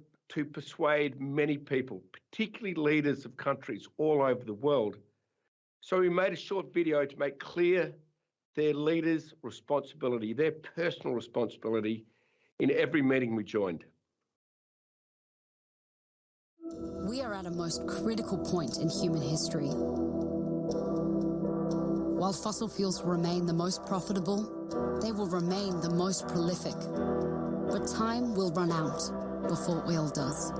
Speaker 6: persuade many people, particularly leaders of countries all over the world. We made a short video to make clear their leaders' responsibility, their personal responsibility in every meeting we joined.
Speaker 5: We are at a most critical point in human history. While fossil fuels remain the most profitable, they will remain the most prolific, but time will run out before oil does.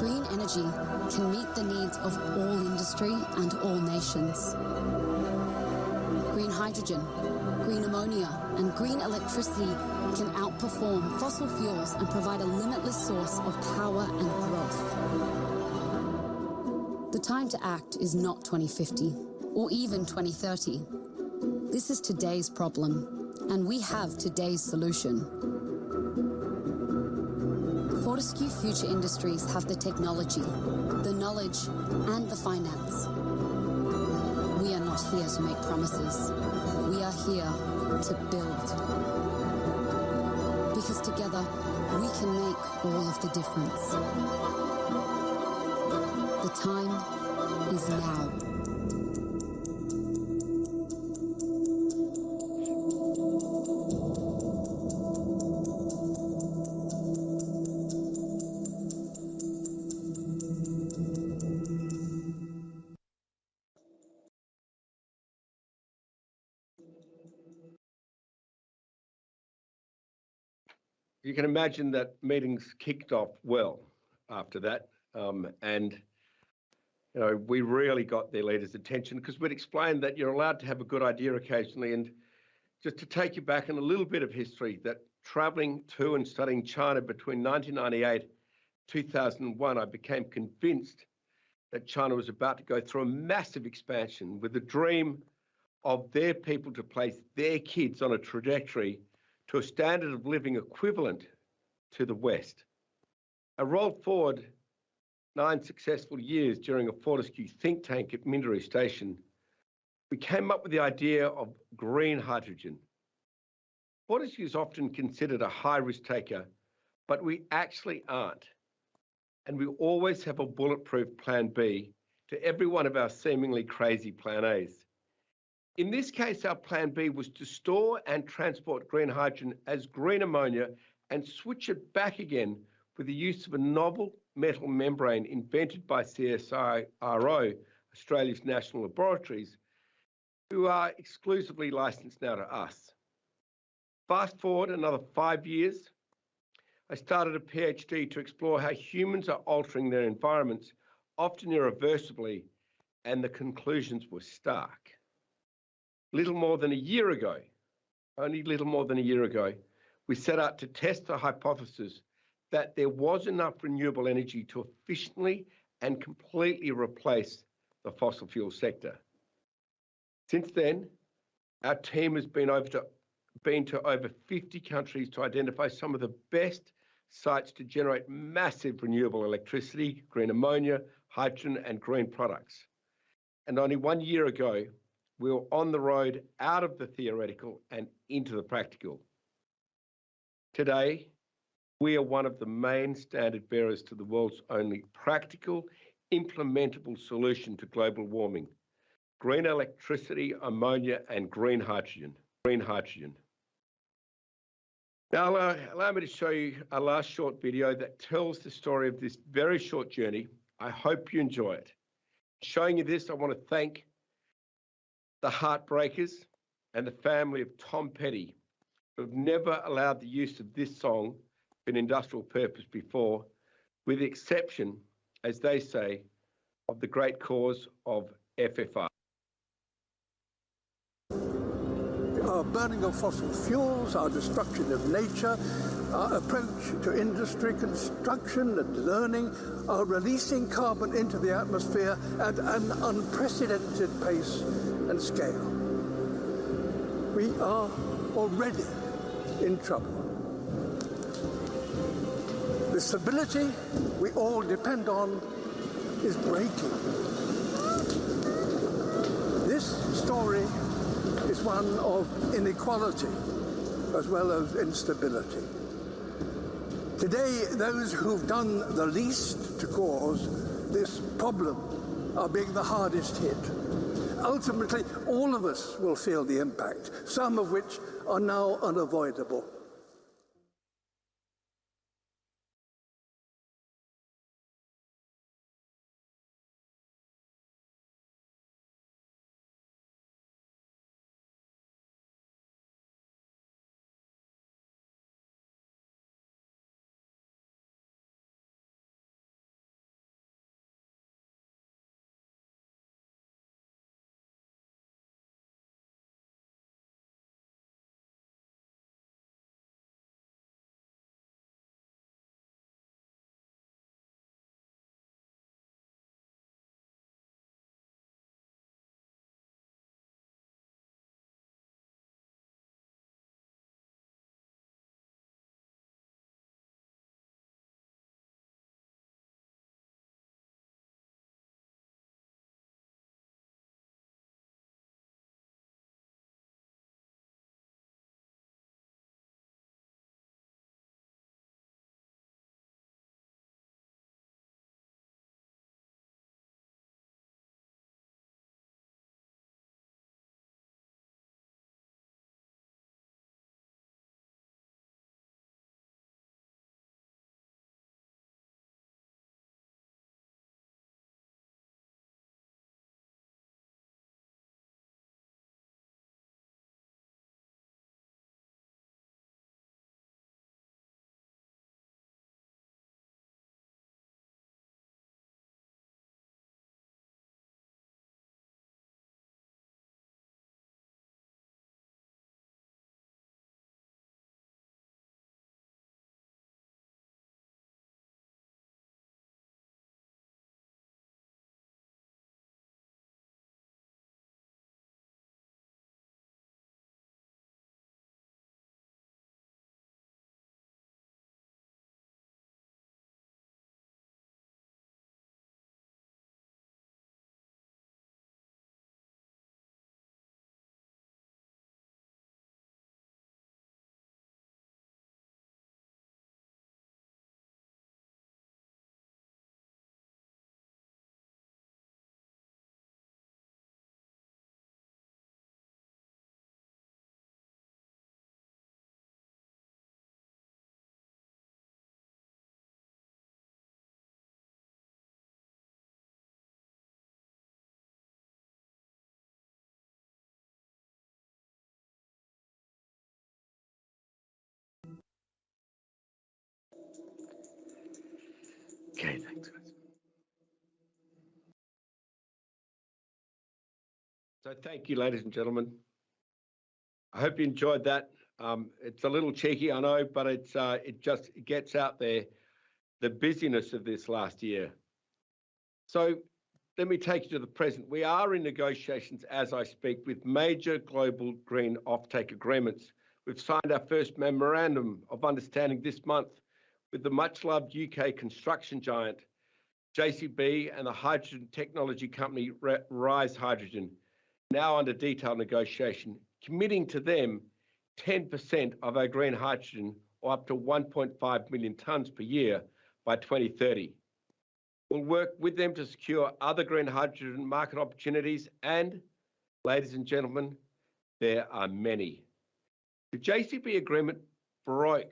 Speaker 5: Green energy can meet the needs of all industry and all nations. Green hydrogen, green ammonia, and green electricity can outperform fossil fuels and provide a limitless source of power and growth. The time to act is not 2050 or even 2030. This is today's problem, and we have today's solution. Fortescue Future Industries have the technology, the knowledge, and the finance. We are not here to make promises. We are here to build. Because together, we can make all of the difference. The time is now.
Speaker 6: You can imagine that meetings kicked off well after that, you know, we really got their leaders' attention because we'd explained that you're allowed to have a good idea occasionally. Just to take you back in a little bit of history, traveling to and studying China between 1998 and 2001, I became convinced that China was about to go through a massive expansion with the dream of their people to place their kids on a trajectory to a standard of living equivalent to the West. I rolled forward 9 successful years during a Fortescue think tank at Minderoo Station. We came up with the idea of green hydrogen. Fortescue is often considered a high-risk taker, but we actually aren't, and we always have a bulletproof plan B to every one of our seemingly crazy plan As. In this case, our plan B was to store and transport green hydrogen as green ammonia and switch it back again with the use of a novel metal membrane invented by CSIRO, Australia's national laboratories, who are exclusively licensed now to us. Fast-forward another five years, I started a PhD to explore how humans are altering their environments, often irreversibly, and the conclusions were stark. Little more than a year ago, we set out to test the hypothesis that there was enough renewable energy to efficiently and completely replace the fossil fuel sector. Since then, our team has been to over 50 countries to identify some of the best sites to generate massive renewable electricity, green ammonia, hydrogen, and green products. Only one year ago, we were on the road out of the theoretical and into the practical. Today, we are one of the main standard-bearers to the world's only practical, implementable solution to global warming: green electricity, ammonia, and green hydrogen. Green hydrogen. Now, allow me to show you a last short video that tells the story of this very short journey. I hope you enjoy it. Showing you this, I want to thank. The Heartbreakers and the family of Tom Petty have never allowed the use of this song in industrial purpose before, with the exception, as they say, of the great cause of FFI.
Speaker 5: Our burning of fossil fuels, our destruction of nature, our approach to industry, construction and learning are releasing carbon into the atmosphere at an unprecedented pace and scale. We are already in trouble. The stability we all depend on is breaking. This story is one of inequality as well as instability. Today, those who've done the least to cause this problem are being the hardest hit. Ultimately, all of us will feel the impact, some of which are now unavoidable.
Speaker 6: Okay, thanks guys. Thank you, ladies and gentlemen. I hope you enjoyed that. It's a little cheeky, I know, but it just gets out there the busyness of this last year. Let me take you to the present. We are in negotiations, as I speak, with major global green offtake agreements. We've signed our first memorandum of understanding this month with the much-loved U.K. construction giant JCB and the hydrogen technology company Ryze Hydrogen, now under detailed negotiation, committing to them 10% of our green hydrogen or up to 1.5 million tonnes per year by 2030. We'll work with them to secure other green hydrogen market opportunities and, ladies and gentlemen, there are many. The JCB agreement broke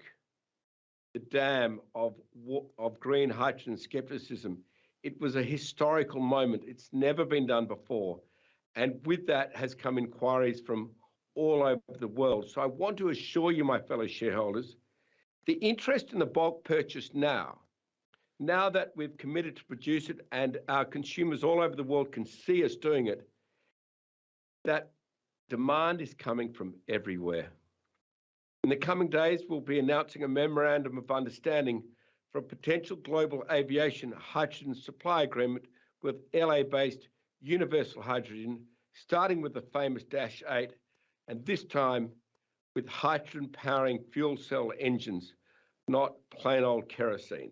Speaker 6: the dam of green hydrogen skepticism. It was a historical moment. It's never been done before. And with that has come inquiries from all over the world. I want to assure you, my fellow shareholders, the interest in the bulk purchase now that we've committed to produce it and our consumers all over the world can see us doing it, that demand is coming from everywhere. In the coming days, we'll be announcing a memorandum of understanding for a potential global aviation hydrogen supply agreement with L.A.-based Universal Hydrogen, starting with the famous Dash 8, and this time with hydrogen-powering fuel cell engines, not plain old kerosene.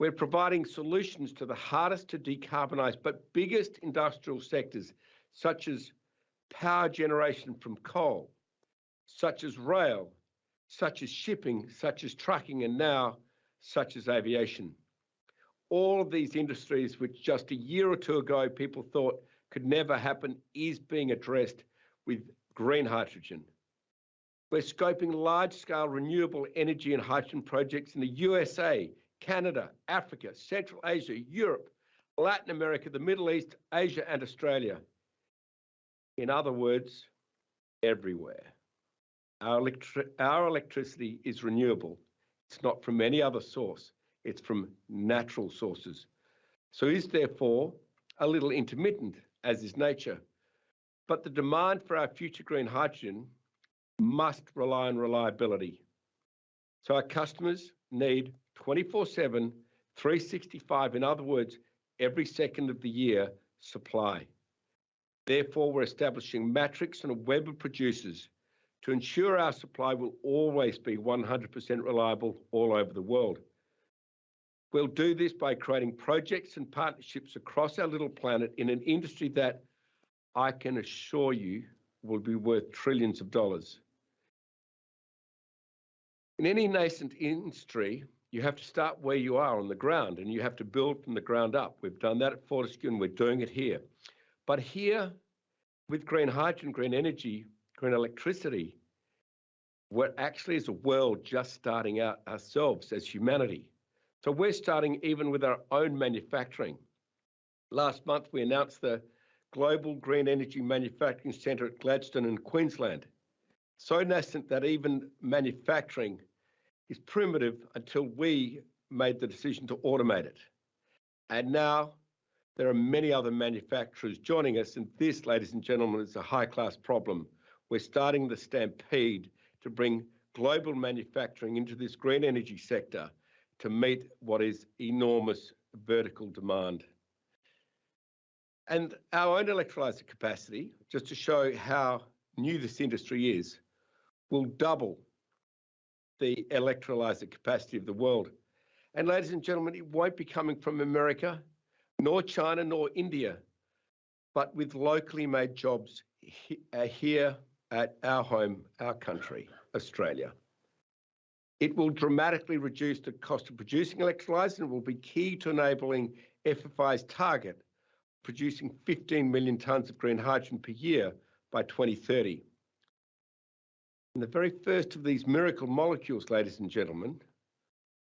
Speaker 6: We're providing solutions to the hardest to decarbonize but biggest industrial sectors, such as power generation from coal, such as rail, such as shipping, such as trucking, and now such as aviation. All of these industries, which just a year or two ago people thought could never happen, is being addressed with green hydrogen. We're scoping large scale renewable energy and hydrogen projects in the USA, Canada, Africa, Central Asia, Europe, Latin America, the Middle East, Asia, and Australia. In other words, everywhere. Our electricity is renewable. It's not from any other source. It's from natural sources, so is therefore a little intermittent, as is nature. The demand for our future green hydrogen must rely on reliability. Our customers need 24/7, 365, in other words, every second of the year, supply. Therefore, we're establishing metrics and a web of producers to ensure our supply will always be 100% reliable all over the world. We'll do this by creating projects and partnerships across our little planet in an industry that I can assure you will be worth trillions of dollars. In any nascent industry, you have to start where you are on the ground, and you have to build from the ground up. We've done that at Fortescue, and we're doing it here. Here with green hydrogen, green energy, green electricity, we're actually as a world just starting out ourselves as humanity. We're starting even with our own manufacturing. Last month, we announced the Global Green Energy Manufacturing Center at Gladstone in Queensland, nascent that even manufacturing is primitive until we made the decision to automate it. Now there are many other manufacturers joining us, and this, ladies and gentlemen, is a high-class problem. We're starting the stampede to bring global manufacturing into this green energy sector to meet what is enormous vertical demand. Our own electrolyzer capacity, just to show how new this industry is, will double the electrolyzer capacity of the world. Ladies and gentlemen, it won't be coming from America, nor China, nor India, but with locally made jobs here at our home, our country, Australia. It will dramatically reduce the cost of producing electrolyzers and will be key to enabling FFI's target of producing 15 million tons of green hydrogen per year by 2030. The very first of these miracle molecules, ladies and gentlemen,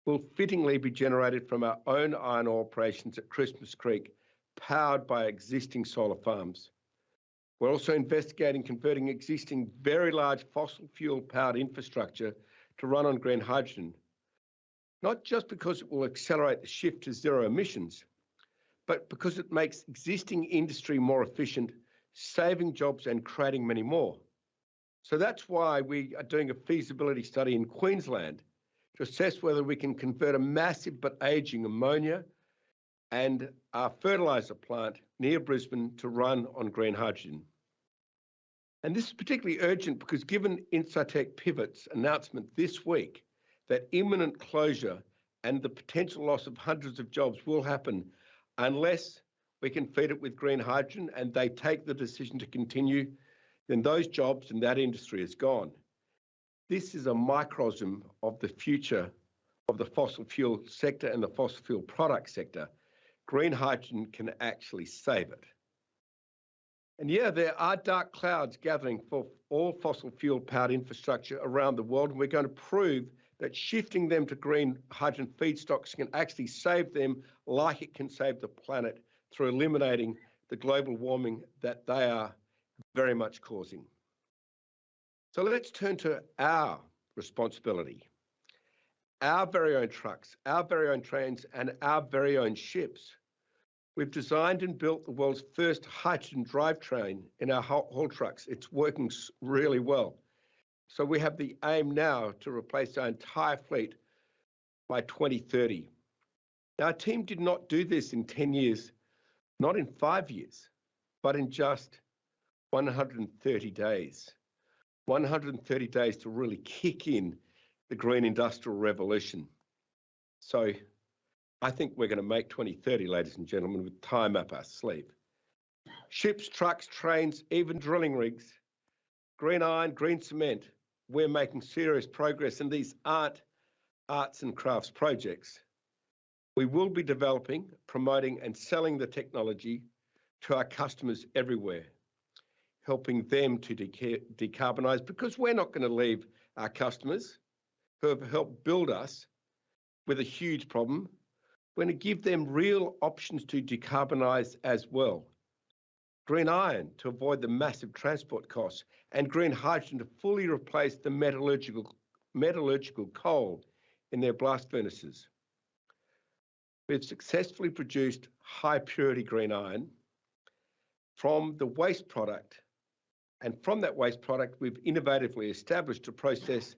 Speaker 6: will fittingly be generated from our own iron ore operations at Christmas Creek, powered by existing solar farms. We're also investigating converting existing very large fossil fuel powered infrastructure to run on green hydrogen, not just because it will accelerate the shift to zero emissions, but because it makes existing industry more efficient, saving jobs and creating many more. That's why we are doing a feasibility study in Queensland to assess whether we can convert a massive but aging ammonia and our fertilizer plant near Brisbane to run on green hydrogen. This is particularly urgent because given Incitec Pivot's announcement this week that imminent closure and the potential loss of hundreds of jobs will happen unless we can feed it with green hydrogen and they take the decision to continue, then those jobs and that industry is gone. This is a microcosm of the future of the fossil fuel sector and the fossil fuel product sector. Green hydrogen can actually save it. Yeah, there are dark clouds gathering for all fossil fuel powered infrastructure around the world, and we're going to prove that shifting them to green hydrogen feedstocks can actually save them like it can save the planet through eliminating the global warming that they are very much causing. Let's turn to our responsibility, our very own trucks, our very own trains, and our very own ships. We've designed and built the world's first hydrogen drivetrain in our haul trucks. It's working really well. We have the aim now to replace our entire fleet by 2030. Our team did not do this in 10 years, not in five years, but in just 130 days. 130 days to really kick in the green industrial revolution. I think we're gonna make 2030, ladies and gentlemen, with time up our sleeve. Ships, trucks, trains, even drilling rigs, green iron, green cement, we're making serious progress in these arts and crafts projects. We will be developing, promoting, and selling the technology to our customers everywhere, helping them to decarbonize, because we're not gonna leave our customers who have helped build us with a huge problem. We're gonna give them real options to decarbonize as well. Green iron to avoid the massive transport costs and green hydrogen to fully replace the metallurgical coal in their blast furnaces. We've successfully produced high purity green iron from the waste product, and from that waste product, we've innovatively established a process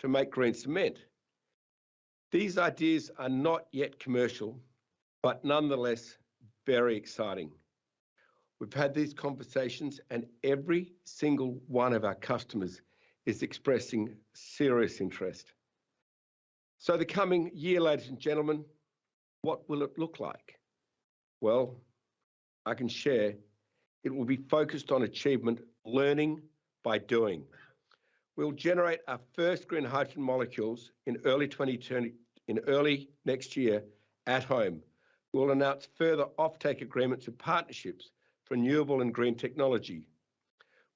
Speaker 6: to make green cement. These ideas are not yet commercial, but nonetheless very exciting. We've had these conversations, and every single one of our customers is expressing serious interest. The coming year, ladies and gentlemen, what will it look like? Well, I can share it will be focused on achievement, learning by doing. We'll generate our first green hydrogen molecules in early 2022 at home. We'll announce further offtake agreements and partnerships for renewable and green technology.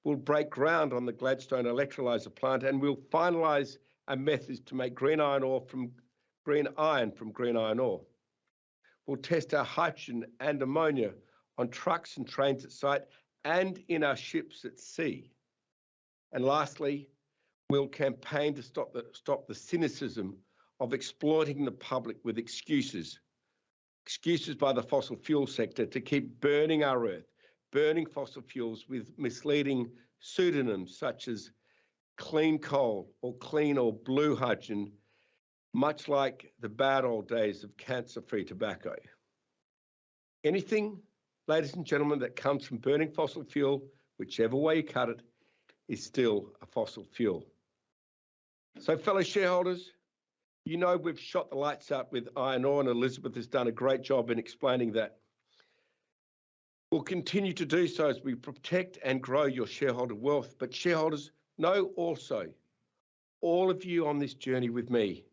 Speaker 6: We'll break ground on the Gladstone electrolyzer plant, and we'll finalize our methods to make green iron from green hydrogen. We'll test our hydrogen and ammonia on trucks and trains at site and in our ships at sea. Lastly, we'll campaign to stop the cynicism of exploiting the public with excuses. Excuses by the fossil fuel sector to keep burning our Earth, burning fossil fuels with misleading pseudonyms such as clean coal or clean or blue hydrogen, much like the bad old days of cancer-free tobacco. Anything, ladies and gentlemen, that comes from burning fossil fuel, whichever way you cut it, is still a fossil fuel. Fellow shareholders, you know we've shot the lights out with iron ore, and Elizabeth has done a great job in explaining that. We'll continue to do so as we protect and grow your shareholder wealth. Shareholders know also, all of you on this journey with me,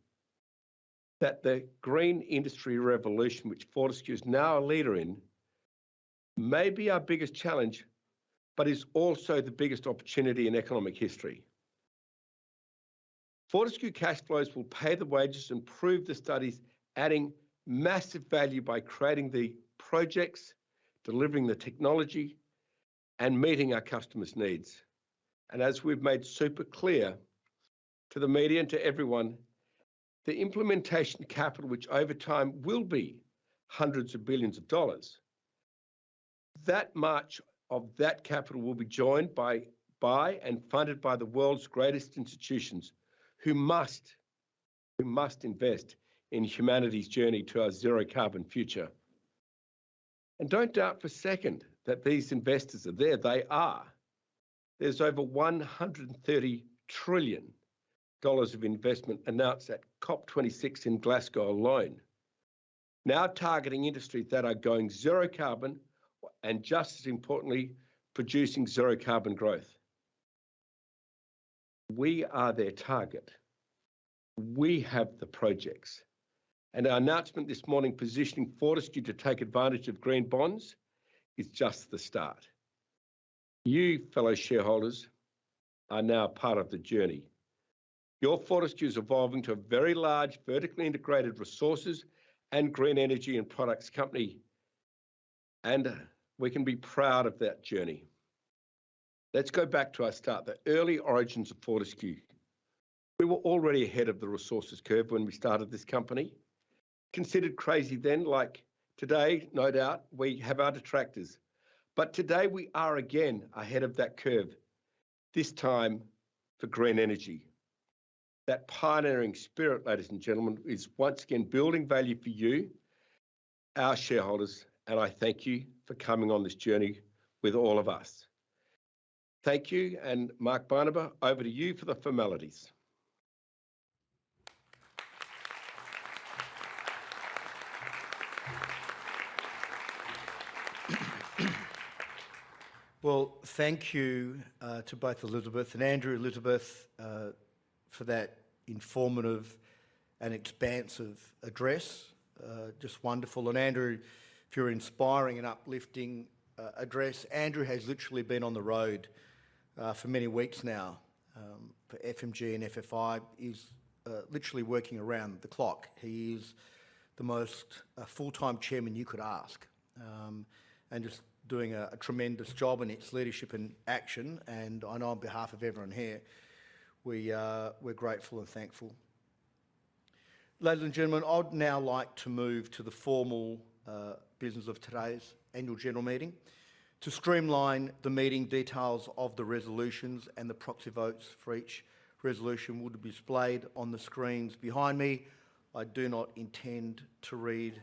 Speaker 6: that the green industry revolution, which Fortescue is now a leader in, may be our biggest challenge, but is also the biggest opportunity in economic history. Fortescue cash flows will pay the wages and prove the studies adding massive value by creating the projects, delivering the technology, and meeting our customers' needs. As we've made super clear to the media and to everyone, the implementation capital, which over time will be hundreds of billions of dollars, that much of that capital will be joined by and funded by the world's greatest institutions who must invest in humanity's journey to our zero carbon future. Don't doubt for a second that these investors are there. They are. There's over 130 trillion dollars of investment announced at COP26 in Glasgow alone, now targeting industries that are going zero carbon and, just as importantly, producing zero carbon growth. We are their target. We have the projects. Our announcement this morning positioning Fortescue to take advantage of green bonds is just the start. You, fellow shareholders, are now part of the journey. Your Fortescue is evolving to a very large vertically integrated resources and green energy and products company, and we can be proud of that journey. Let's go back to our start, the early origins of Fortescue. We were already ahead of the resources curve when we started this company. Considered crazy then, like today, no doubt, we have our detractors. But today, we are again ahead of that curve, this time for green energy. That pioneering spirit, ladies and gentlemen, is once again building value for you, our shareholders, and I thank you for coming on this journey with all of us. Thank you, and Mark Barnaba, over to you for the formalities.
Speaker 4: Well, thank you to both Elizabeth and Andrew. Elizabeth for that informative and expansive address, just wonderful. Andrew, for your inspiring and uplifting address. Andrew has literally been on the road for many weeks now for FMG and FFI. He's literally working around the clock. He is the most full-time chairman you could ask. Just doing a tremendous job, and it's leadership in action. I know on behalf of everyone here, we're grateful and thankful. Ladies and gentlemen, I'd now like to move to the formal business of today's annual general meeting. To streamline the meeting, details of the resolutions and the proxy votes for each resolution will be displayed on the screens behind me. I do not intend to read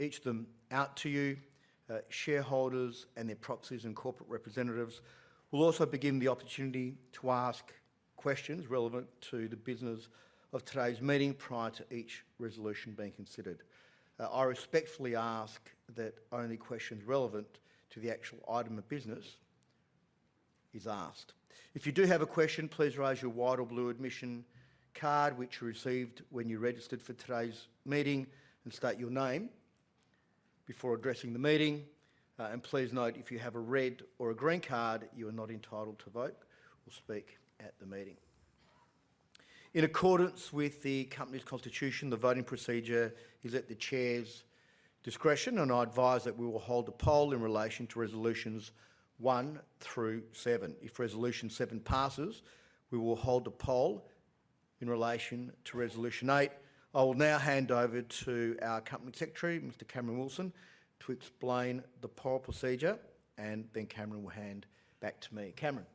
Speaker 4: each of them out to you. Shareholders and their proxies and corporate representatives will also be given the opportunity to ask questions relevant to the business of today's meeting prior to each resolution being considered. I respectfully ask that only questions relevant to the actual item of business is asked. If you do have a question, please raise your white or blue admission card which you received when you registered for today's meeting and state your name before addressing the meeting. Please note, if you have a red or a green card, you are not entitled to vote or speak at the meeting. In accordance with the company's constitution, the voting procedure is at the chair's discretion, and I advise that we will hold a poll in relation to resolutions one through seven. If resolution seven passes, we will hold a poll in relation to resolution eight. I will now hand over to our Company Secretary, Mr. Cameron Wilson, to explain the poll procedure, and then Cameron will hand back to me. Cameron.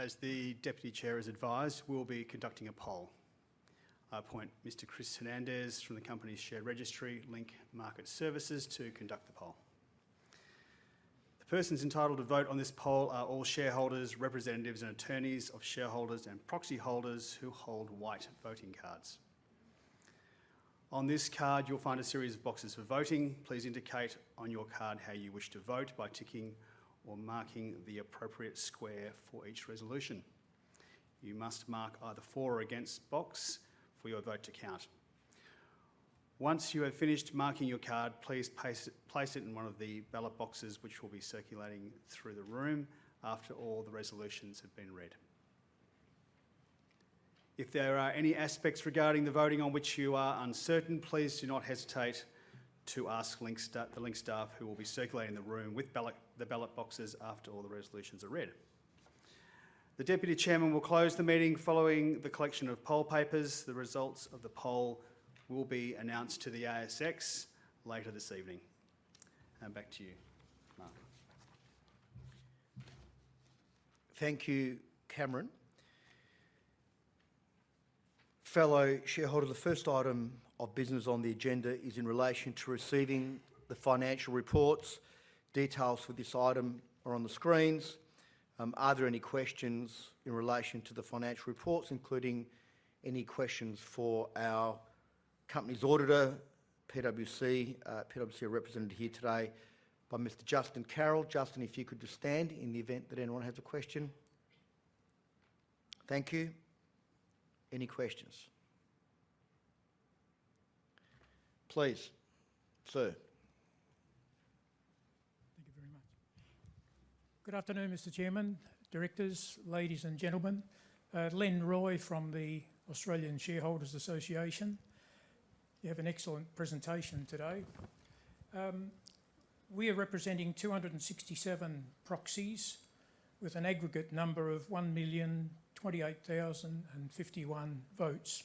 Speaker 1: As the Deputy Chair has advised, we'll be conducting a poll. I appoint Mr. Chris Hernandez from the company share registry Link Market Services to conduct the poll. The persons entitled to vote on this poll are all shareholders, representatives, and attorneys of shareholders and proxy holders who hold white voting cards. On this card, you'll find a series of boxes for voting. Please indicate on your card how you wish to vote by ticking or marking the appropriate square for each resolution. You must mark either for or against box for your vote to count. Once you have finished marking your card, please place it in one of the ballot boxes which will be circulating through the room after all the resolutions have been read. If there are any aspects regarding the voting on which you are uncertain, please do not hesitate to ask the Link staff who will be circulating the room with ballots, the ballot boxes after all the resolutions are read. The Deputy Chairman will close the meeting following the collection of poll papers. The results of the poll will be announced to the ASX later this evening. Back to you, Mark.
Speaker 4: Thank you, Cameron. Fellow shareholder, the first item of business on the agenda is in relation to receiving the financial reports. Details for this item are on the screens. Are there any questions in relation to the financial reports, including any questions for our company's auditor, PwC? PwC are represented here today by Mr. Justin Carroll. Justin, if you could just stand in the event that anyone has a question. Thank you. Any questions? Please, sir.
Speaker 7: Thank you very much. Good afternoon, Mr. Chairman, directors, ladies and gentlemen. Len Roy from the Australian Shareholders' Association. You have an excellent presentation today. We are representing 267 proxies with an aggregate number of 1,028,051 votes.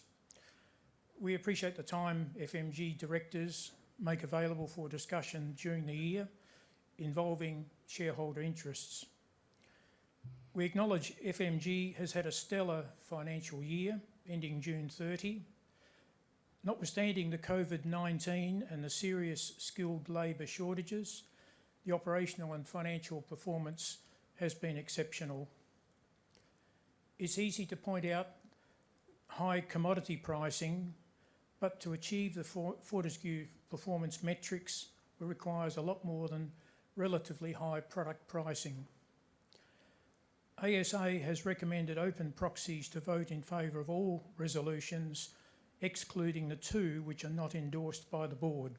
Speaker 7: We appreciate the time FMG directors make available for discussion during the year involving shareholder interests. We acknowledge FMG has had a stellar financial year ending June 30. Notwithstanding the COVID-19 and the serious skilled labor shortages, the operational and financial performance has been exceptional. It's easy to point out high commodity pricing, but to achieve the Fortescue performance metrics requires a lot more than relatively high product pricing. ASA has recommended open proxies to vote in favor of all resolutions, excluding the two which are not endorsed by the board.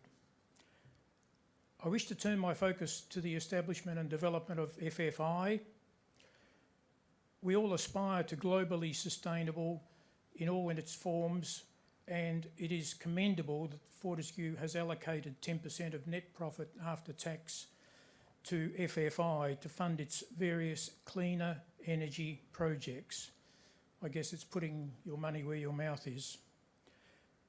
Speaker 7: I wish to turn my focus to the establishment and development of FFI. We all aspire to global sustainability in all its forms, and it is commendable that Fortescue has allocated 10% of net profit after tax to FFI to fund its various cleaner energy projects. I guess it's putting your money where your mouth is.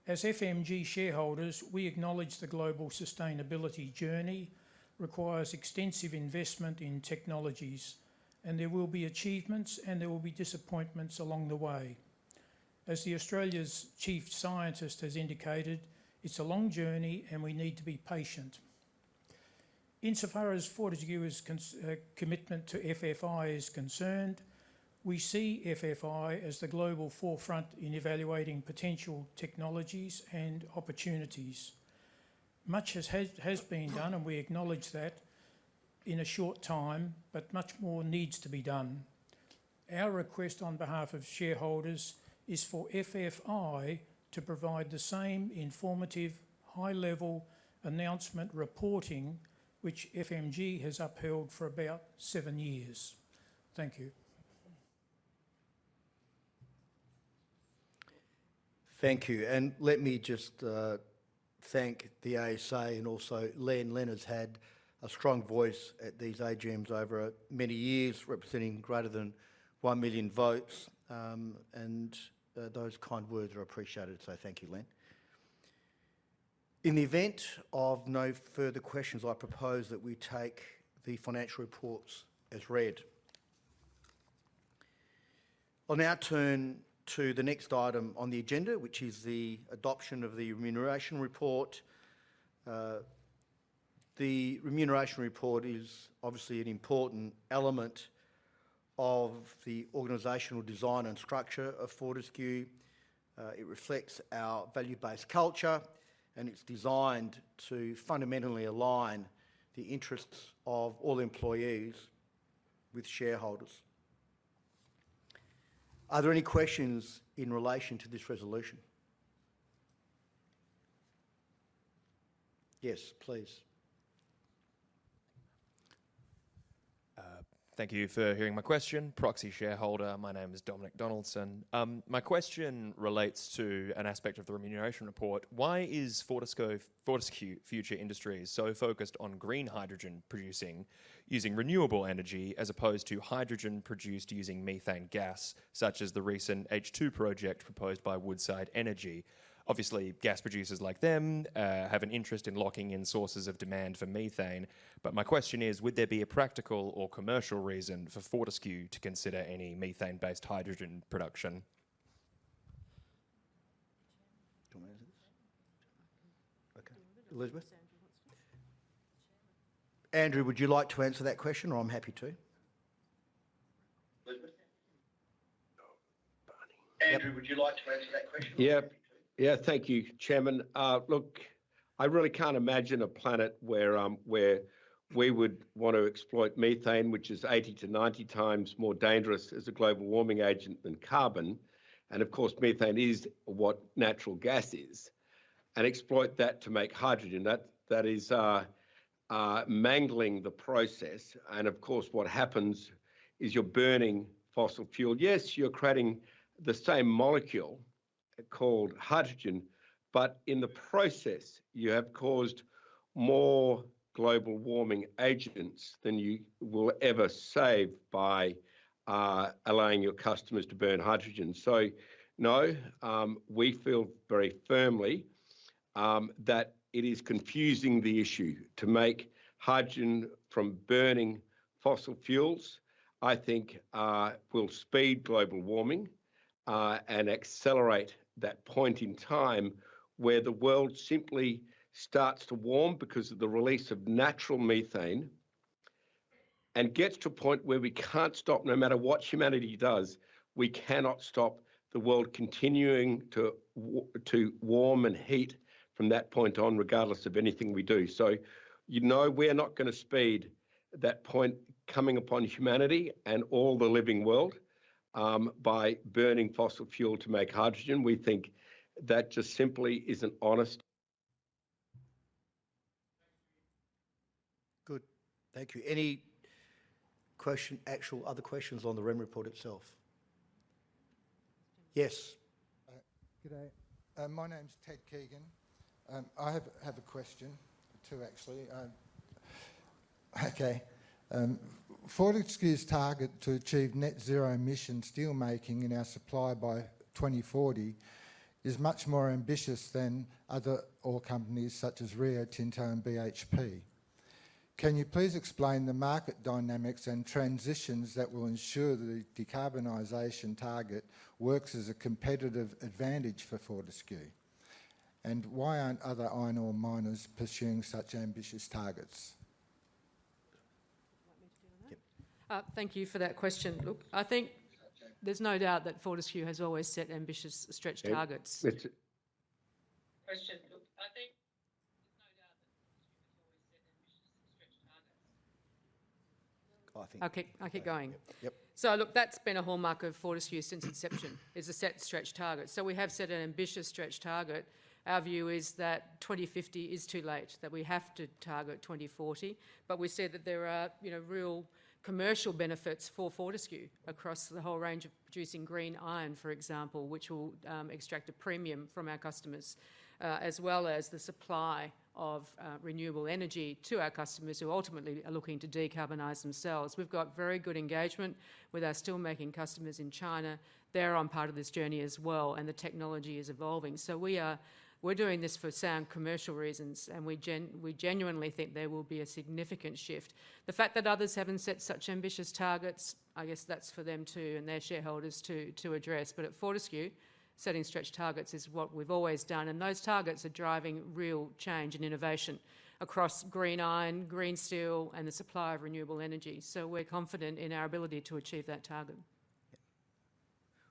Speaker 7: As FMG shareholders, we acknowledge the global sustainability journey requires extensive investment in technologies, and there will be achievements and there will be disappointments along the way. As Australia's Chief Scientist has indicated, it's a long journey and we need to be patient. Insofar as Fortescue's commitment to FFI is concerned, we see FFI as the global forefront in evaluating potential technologies and opportunities. Much has been done, and we acknowledge that in a short time, but much more needs to be done. Our request on behalf of shareholders is for FFI to provide the same informative high-level announcement reporting which FMG has upheld for about seven years. Thank you.
Speaker 4: Thank you. Let me just thank the ASA and also Len. Len has had a strong voice at these AGMs over many years representing greater than 1 million votes, and those kind words are appreciated, so thank you, Len. In the event of no further questions, I propose that we take the financial reports as read. I'll now turn to the next item on the agenda, which is the adoption of the remuneration report. The remuneration report is obviously an important element of the organizational design and structure of Fortescue. It reflects our value-based culture, and it's designed to fundamentally align the interests of all employees with shareholders. Are there any questions in relation to this resolution? Yes, please.
Speaker 8: Thank you for hearing my question. Proxy shareholder. My name is Dominic Donaldson. My question relates to an aspect of the remuneration report. Why is Fortescue Future Industries so focused on green hydrogen producing using renewable energy as opposed to hydrogen produced using methane gas, such as the recent H2Perth project proposed by Woodside Energy? Obviously, gas producers like them have an interest in locking in sources of demand for methane. My question is, would there be a practical or commercial reason for Fortescue to consider any methane-based hydrogen production?
Speaker 4: Do you want to answer this? Okay. Elizabeth?
Speaker 2: Andrew, would you like to answer that question, or I'm happy to.
Speaker 4: Elizabeth? Andrew, would you like to answer that question, or I'm happy to.
Speaker 6: Yeah. Yeah, thank you, Chairman. Look, I really can't imagine a planet where we would want to exploit methane, which is 80-90 times more dangerous as a global warming agent than carbon, and of course, methane is what natural gas is, and exploit that to make hydrogen. That is mangling the process. Of course, what happens is you're burning fossil fuel. Yes, you're creating the same molecule called hydrogen, but in the process you have caused more global warming agents than you will ever save by allowing your customers to burn hydrogen. No, we feel very firmly that it is confusing the issue. To make hydrogen from burning fossil fuels, I think, will speed global warming, and accelerate that point in time where the world simply starts to warm because of the release of natural methane, and gets to a point where we can't stop. No matter what humanity does, we cannot stop the world continuing to warm and heat from that point on, regardless of anything we do. You know, we're not gonna speed that point coming upon humanity and all the living world, by burning fossil fuel to make hydrogen. We think that just simply isn't honest.
Speaker 4: Good. Thank you. Any questions, any other questions on the REM report itself? Yes.
Speaker 9: Good day. My name's Ted Keegan. I have a question. Two actually. Fortescue's target to achieve net zero emission steel making in our supply by 2040 is much more ambitious than other ore companies such as Rio Tinto and BHP. Can you please explain the market dynamics and transitions that will ensure the decarbonization target works as a competitive advantage for Fortescue? Why aren't other iron ore miners pursuing such ambitious targets?
Speaker 2: You want me to deal with that?
Speaker 4: Yep.
Speaker 2: Thank you for that question. Look, I think there's no doubt that Fortescue has always set ambitious stretch targets.
Speaker 4: Wait.
Speaker 2: Look, I think there's no doubt that Fortescue has always set ambitious stretch targets.
Speaker 4: I think-
Speaker 2: I'll keep going.
Speaker 4: Yep. Yep.
Speaker 2: Look, that's been a hallmark of Fortescue since inception, is to set stretch targets. We have set an ambitious stretch target. Our view is that 2050 is too late, that we have to target 2040. We said that there are, you know, real commercial benefits for Fortescue across the whole range of producing green iron, for example, which will extract a premium from our customers. As well as the supply of renewable energy to our customers who ultimately are looking to decarbonize themselves. We've got very good engagement with our steel making customers in China. They're on part of this journey as well, and the technology is evolving. We're doing this for sound commercial reasons, and we genuinely think there will be a significant shift. The fact that others haven't set such ambitious targets, I guess that's for them to, and their shareholders to address. At Fortescue, setting stretch targets is what we've always done, and those targets are driving real change and innovation across green iron, green steel, and the supply of renewable energy. We're confident in our ability to achieve that target.
Speaker 4: Yeah.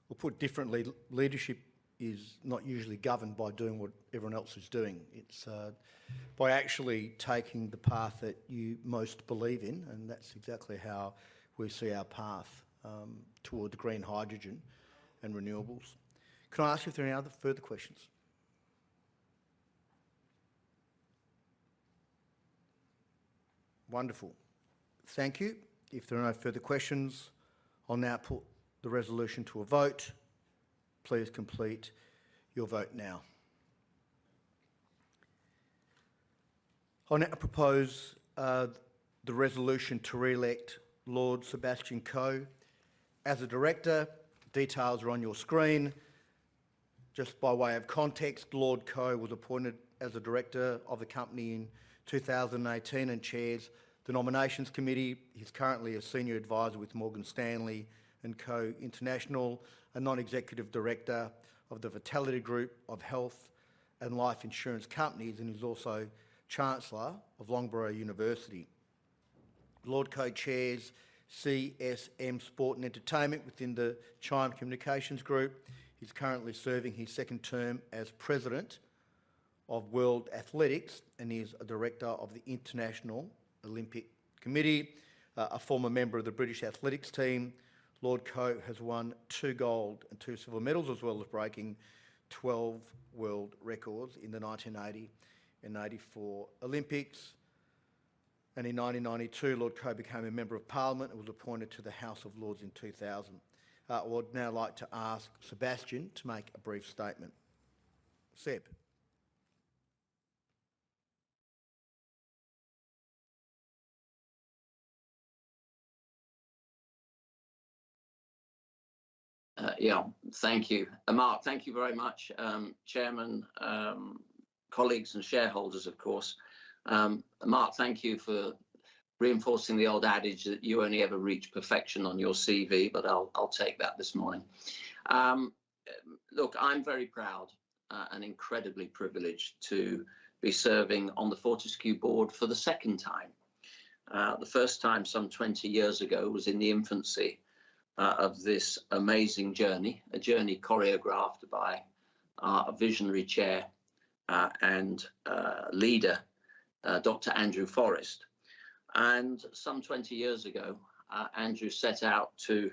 Speaker 4: Well, put differently, leadership is not usually governed by doing what everyone else is doing. It's by actually taking the path that you most believe in, and that's exactly how we see our path toward green hydrogen and renewables. Can I ask if there are any other further questions? Wonderful. Thank you. If there are no further questions, I'll now put the resolution to a vote. Please complete your vote now. I now propose the resolution to re-elect Lord Sebastian Coe as a director. Details are on your screen. Just by way of context, Lord Coe was appointed as a director of the company in 2018, and chairs the Nomination Committee. He's currently a senior advisor with Morgan Stanley & Co. International, a non-executive director of the Vitality Group of health and life insurance companies, and he's also Chancellor of Loughborough University. Lord Coe chairs CSM Sport & Entertainment within the Chime Communications group. He's currently serving his second term as President of World Athletics, and he's a director of the International Olympic Committee. A former member of the British athletics team, Lord Coe has won two gold and two silver medals, as well as breaking twelve world records in the 1980 and 1984 Olympics. In 1992, Lord Coe became a Member of Parliament and was appointed to the House of Lords in 2000. I would now like to ask Sebastian to make a brief statement. Seb?
Speaker 10: Yeah. Thank you. Mark, thank you very much. Chairman, Colleagues and shareholders, of course. Mark, thank you for reinforcing the old adage that you only ever reach perfection on your CV, but I'll take that this morning. Look, I'm very proud and incredibly privileged to be serving on the Fortescue board for the second time. The first time some 20 years ago was in the infancy of this amazing journey, a journey choreographed by our visionary chair and leader, Dr. Andrew Forrest. Some 20 years ago, Andrew set out to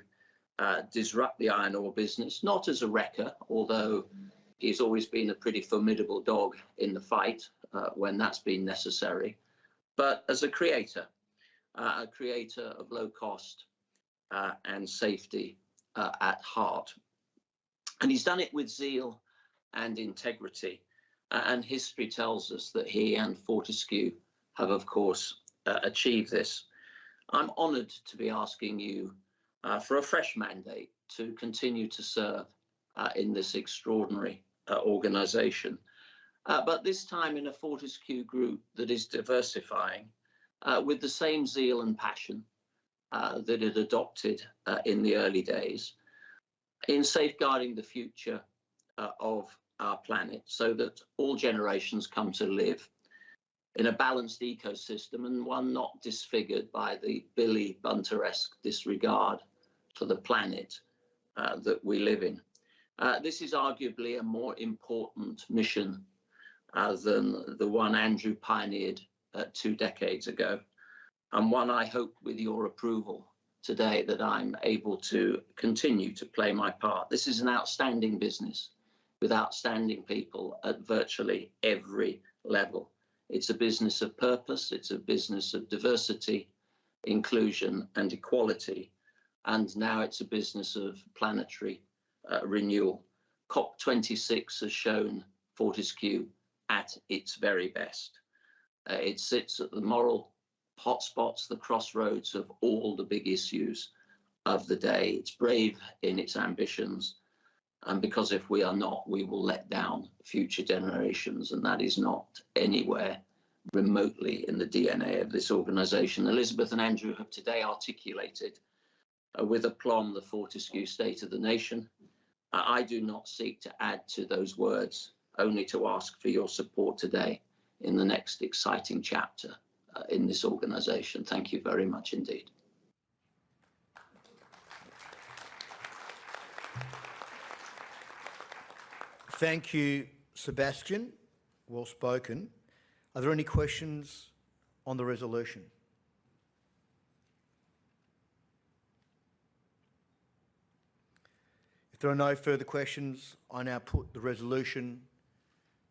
Speaker 10: disrupt the iron ore business, not as a wrecker, although he's always been a pretty formidable dog in the fight when that's been necessary, but as a creator. A creator of low cost and safety at heart. He's done it with zeal and integrity. History tells us that he and Fortescue have, of course, achieved this. I'm honored to be asking you for a fresh mandate to continue to serve in this extraordinary organization. This time in a Fortescue group that is diversifying with the same zeal and passion that it adopted in the early days in safeguarding the future of our planet so that all generations come to live in a balanced ecosystem and one not disfigured by the Billy Bunter-esque disregard to the planet that we live in. This is arguably a more important mission than the one Andrew pioneered two decades ago, and one I hope with your approval today that I'm able to continue to play my part. This is an outstanding business with outstanding people at virtually every level. It's a business of purpose. It's a business of diversity, inclusion, and equality, and now it's a business of planetary renewal. COP26 has shown Fortescue at its very best. It sits at the moral hotspots, the crossroads of all the big issues of the day. It's brave in its ambitions, and because if we are not, we will let down future generations, and that is not anywhere remotely in the DNA of this organization. Elizabeth and Andrew have today articulated with aplomb the Fortescue state of the nation. I do not seek to add to those words, only to ask for your support today in the next exciting chapter in this organization. Thank you very much indeed.
Speaker 4: Thank you, Sebastian. Well spoken. Are there any questions on the resolution? If there are no further questions, I now put the resolution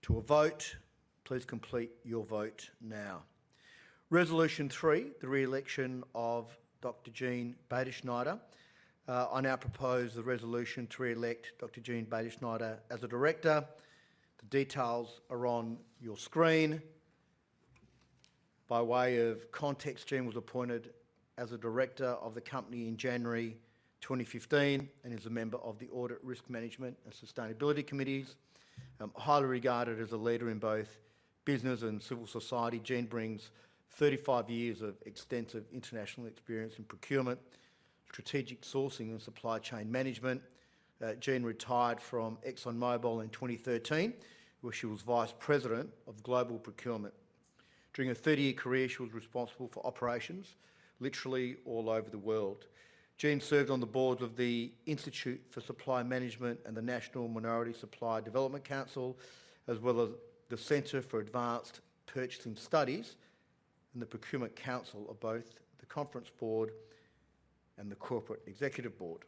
Speaker 4: to a vote. Please complete your vote now. Resolution three, the re-election of Dr. Jean Baderschneider. I now propose the resolution to re-elect Dr. Jean Baden-Schneider as a director. The details are on your screen. By way of context, Jean was appointed as a director of the company in January 2015 and is a member of the Audit, Risk Management, and Sustainability Committees. Highly regarded as a leader in both business and civil society, Jean brings 35 years of extensive international experience in procurement, strategic sourcing, and supply chain management. Jean retired from ExxonMobil in 2013, where she was vice president of global procurement. During her 30-year career, she was responsible for operations literally all over the world. Jean served on the boards of the Institute for Supply Management and the National Minority Supplier Development Council, as well as the Center for Advanced Purchasing Studies and the Procurement Council of both the Conference Board and the Corporate Executive Board.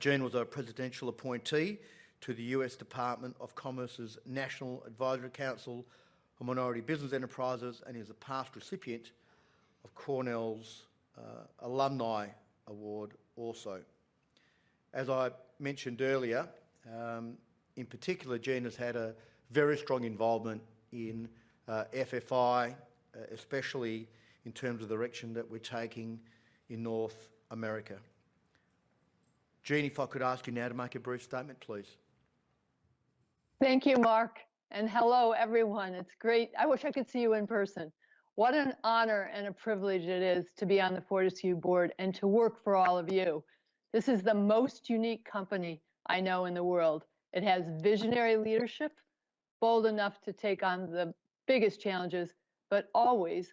Speaker 4: Jean was a presidential appointee to the U.S. Department of Commerce's National Advisory Council for Minority Business Enterprises and is a past recipient of Cornell's Alumni Award also. As I mentioned earlier, in particular, Jean has had a very strong involvement in FFI, especially in terms of the direction that we're taking in North America. Jean, if I could ask you now to make a brief statement, please.
Speaker 11: Thank you, Mark, and hello everyone. It's great, I wish I could see you in person. What an honor and a privilege it is to be on the Fortescue board and to work for all of you. This is the most unique company I know in the world. It has visionary leadership, bold enough to take on the biggest challenges, but always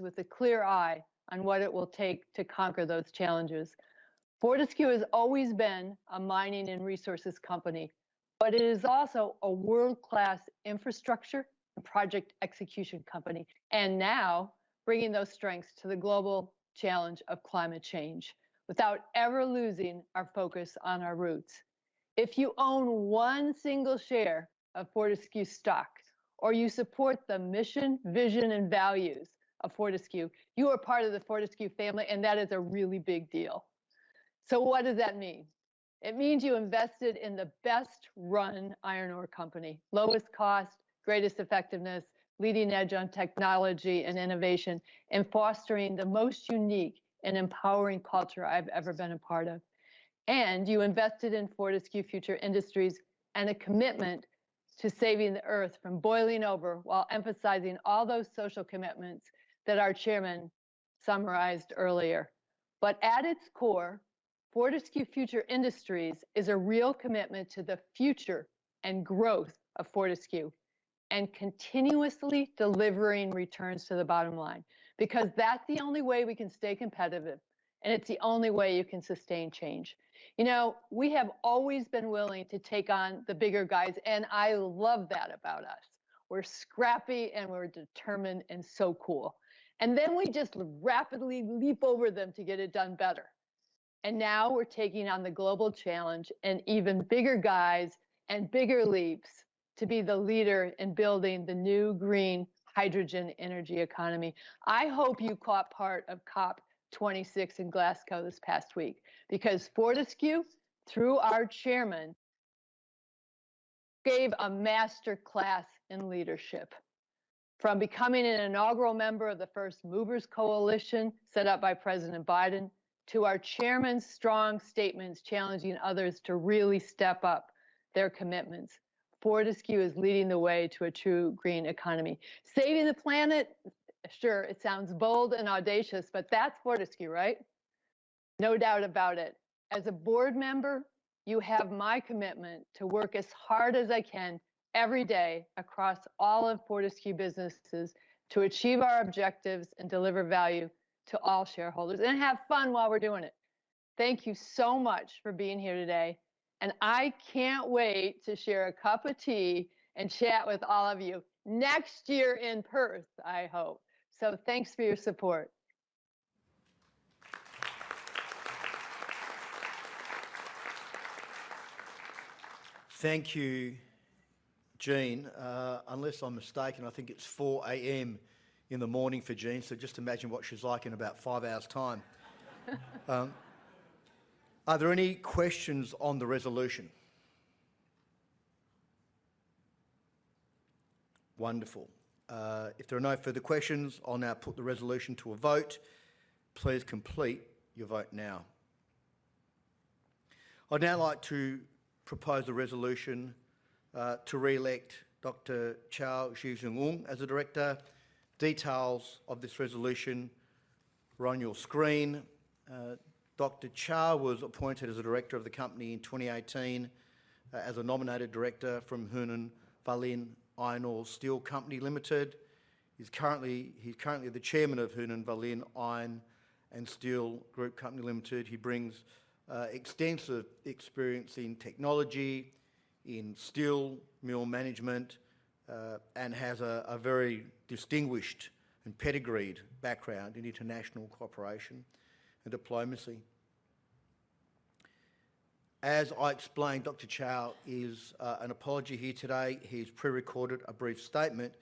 Speaker 11: with a clear eye on what it will take to conquer those challenges. Fortescue has always been a mining and resources company, but it is also a world-class infrastructure and project execution company, now bringing those strengths to the global challenge of climate change without ever losing our focus on our roots. If you own one single share of Fortescue stock or you support the mission, vision, and values of Fortescue, you are part of the Fortescue family and that is a really big deal. What does that mean? It means you invested in the best-run iron ore company, lowest cost, greatest effectiveness, leading edge on technology and innovation, and fostering the most unique and empowering culture I've ever been a part of. You invested in Fortescue Future Industries and a commitment to saving the Earth from boiling over while emphasizing all those social commitments that our chairman summarized earlier. At its core, Fortescue Future Industries is a real commitment to the future and growth of Fortescue and continuously delivering returns to the bottom line, because that's the only way we can stay competitive, and it's the only way you can sustain change. You know, we have always been willing to take on the bigger guys, and I love that about us. We're scrappy, and we're determined and so cool. Then we just rapidly leap over them to get it done better. Now we're taking on the global challenge and even bigger guys and bigger leaps to be the leader in building the new green hydrogen energy economy. I hope you caught part of COP26 in Glasgow this past week because Fortescue, through our chairman, gave a master class in leadership. From becoming an inaugural member of the First Movers Coalition set up by President Biden to our chairman's strong statements challenging others to really step up their commitments, Fortescue is leading the way to a true green economy. Saving the planet, sure, it sounds bold and audacious, but that's Fortescue, right? No doubt about it. As a board member, you have my commitment to work as hard as I can every day across all of Fortescue businesses to achieve our objectives and deliver value to all shareholders and have fun while we're doing it. Thank you so much for being here today, and I can't wait to share a cup of tea and chat with all of you next year in Perth, I hope. Thanks for your support.
Speaker 4: Thank you, Jean. Unless I'm mistaken, I think it's 4:00 A.M. in the morning for Jean, so just imagine what she's like in about five hours time. Are there any questions on the resolution? Wonderful. If there are no further questions, I'll now put the resolution to a vote. Please complete your vote now. I'd now like to propose a resolution to reelect Dr. Cao Zhiqiang as a director. Details of this resolution are on your screen. Dr. Cao was appointed as a director of the company in 2018 as a nominated director from Hunan Valin Iron and Steel Company Limited. He's currently the chairman of Hunan Valin Iron and Steel Group Company Limited. He brings extensive experience in technology, in steel mill management, and has a very distinguished and pedigreed background in international cooperation and diplomacy. As I explained, Dr. Cao is unable to be here today. He's prerecorded a brief statement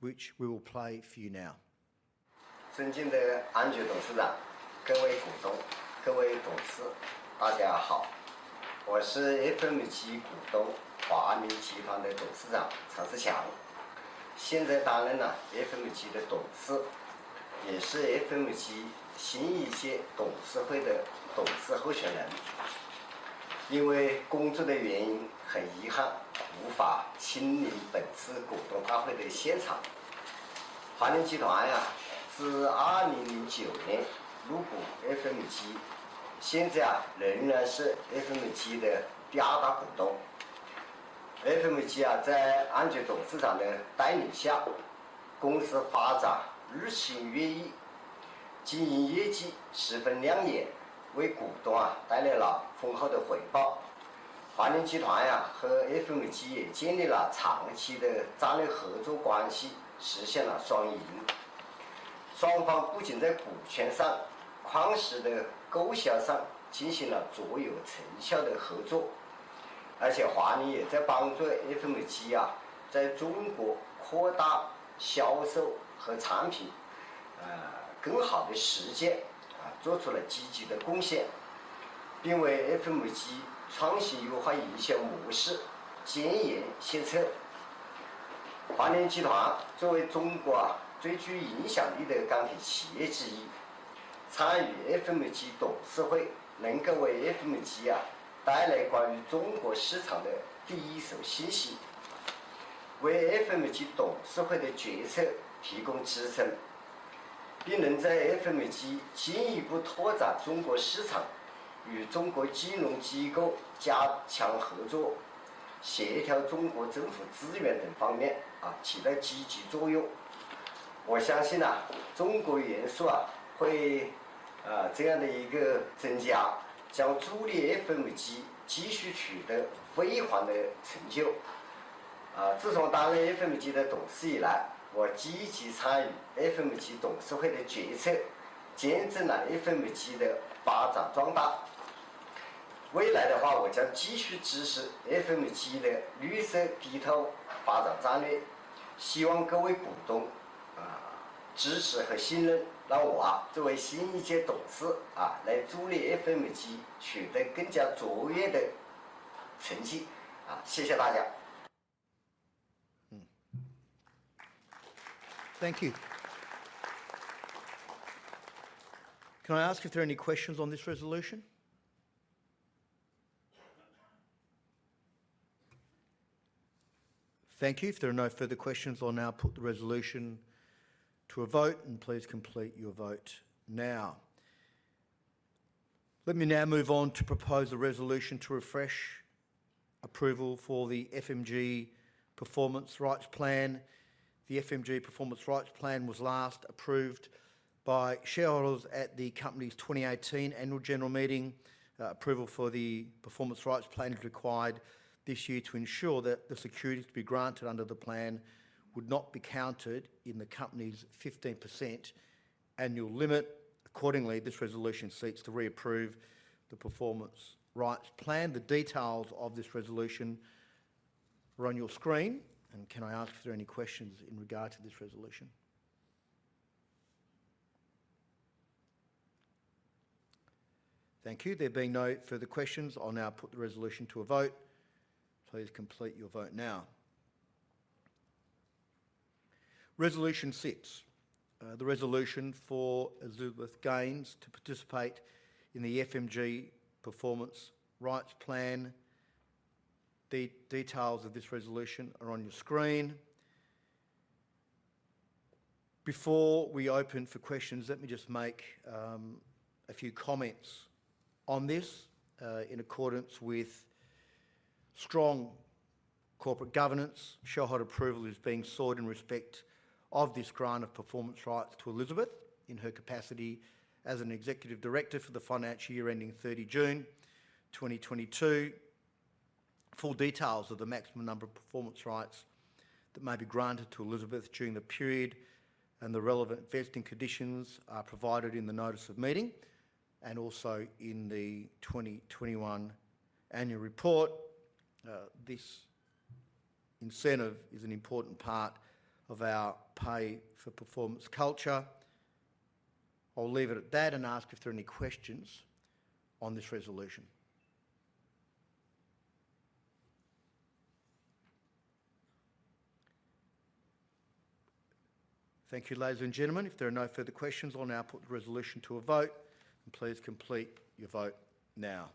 Speaker 4: which we will play for you now.
Speaker 12: Thank you.
Speaker 4: Can I ask if there are any questions on this resolution? Thank you. If there are no further questions, I'll now put the resolution to a vote, and please complete your vote now. Let me now move on to propose a resolution to refresh approval for the FMG Performance Rights Plan. The FMG Performance Rights Plan was last approved by shareholders at the company's 2018 annual general meeting. Approval for the performance rights plan is required this year to ensure that the securities to be granted under the plan would not be counted in the company's 15% annual limit. Accordingly, this resolution seeks to reapprove the performance rights plan. The details of this resolution are on your screen. Can I ask if there are any questions in regard to this resolution? Thank you. There being no further questions, I'll now put the resolution to a vote. Please complete your vote now. Resolution six, the resolution for Elizabeth Gaines to participate in the FMG Performance Rights Plan. The details of this resolution are on your screen. Before we open for questions, let me just make a few comments on this, in accordance with strong corporate governance. Shareholder approval is being sought in respect of this grant of performance rights to Elizabeth in her capacity as an executive director for the financial year ending 30 June 2022. Full details of the maximum number of performance rights that may be granted to Elizabeth during the period and the relevant vesting conditions are provided in the notice of meeting and also in the 2021 annual report. This incentive is an important part of our pay for performance culture. I'll leave it at that and ask if there are any questions on this resolution. Thank you, ladies and gentlemen. If there are no further questions, I'll now put the resolution to a vote, and please complete your vote now.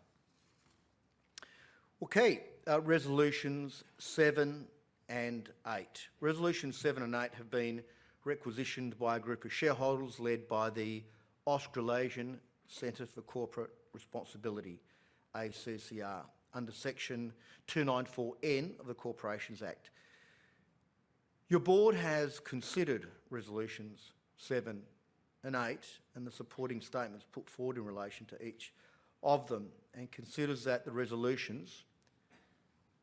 Speaker 4: Okay, resolutions seven and eight. Resolutions seven and eight have been requisitioned by a group of shareholders led by the Australasian Centre for Corporate Responsibility, ACCR, under Section 249N of the Corporations Act. Your board has considered resolutions seven and eight and the supporting statements put forward in relation to each of them and considers that the resolutions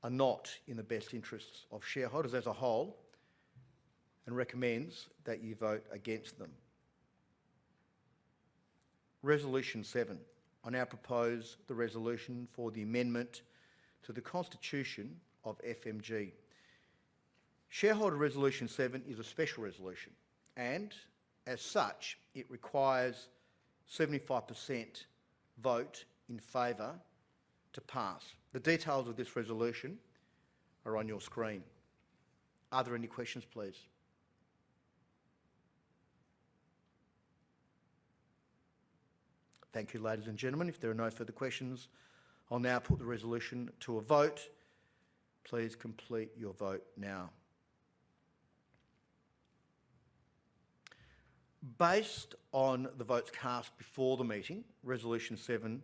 Speaker 4: are not in the best interests of shareholders as a whole and recommends that you vote against them. Resolution seven, I now propose the resolution for the amendment to the constitution of FMG. Shareholder resolution seven is a special resolution, and as such, it requires 75% vote in favor to pass. The details of this resolution are on your screen. Are there any questions, please? Thank you, ladies and gentlemen. If there are no further questions, I'll now put the resolution to a vote. Please complete your vote now. Based on the votes cast before the meeting, resolution seven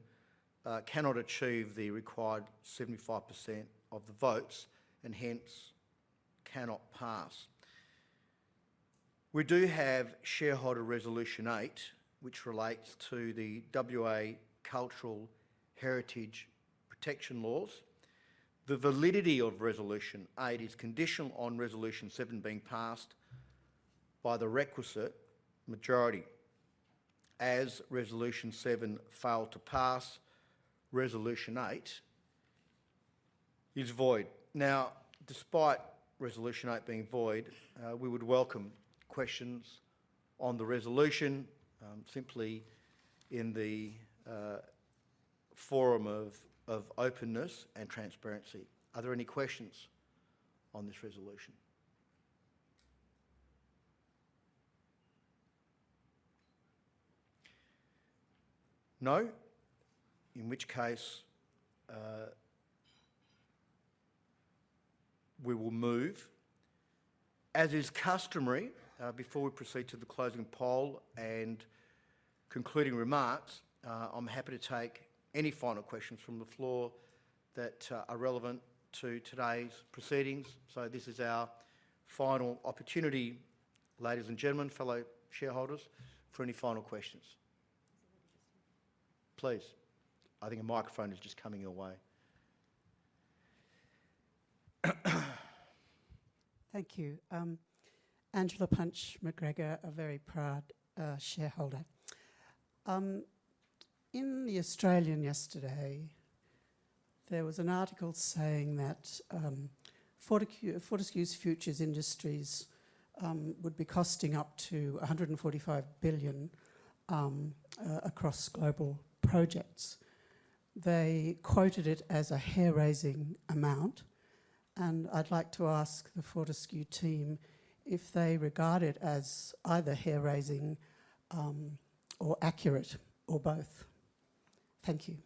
Speaker 4: cannot achieve the required 75% of the votes and hence cannot pass. We do have shareholder resolution eight, which relates to the WA Cultural Heritage protection laws. The validity of resolution eight is conditional on resolution seven being passed by the requisite majority. As resolution seven failed to pass, resolution eight is void. Now, despite resolution eight being void, we would welcome questions on the resolution, simply in the forum of openness and transparency. Are there any questions on this resolution? No. In which case, we will move. As is customary, before we proceed to the closing poll and concluding remarks, I'm happy to take any final questions from the floor that are relevant to today's proceedings. This is our final opportunity, ladies and gentlemen, fellow shareholders, for any final questions. There's a lady just here. Please. I think a microphone is just coming your way.
Speaker 13: Thank you. Angela Punch McGregor, a very proud shareholder. In The Australian yesterday, there was an article saying that Fortescue Future Industries would be costing up to 145 billion across global projects. They quoted it as a hair-raising amount, and I'd like to ask the Fortescue team if they regard it as either hair-raising or accurate or both. Thank you.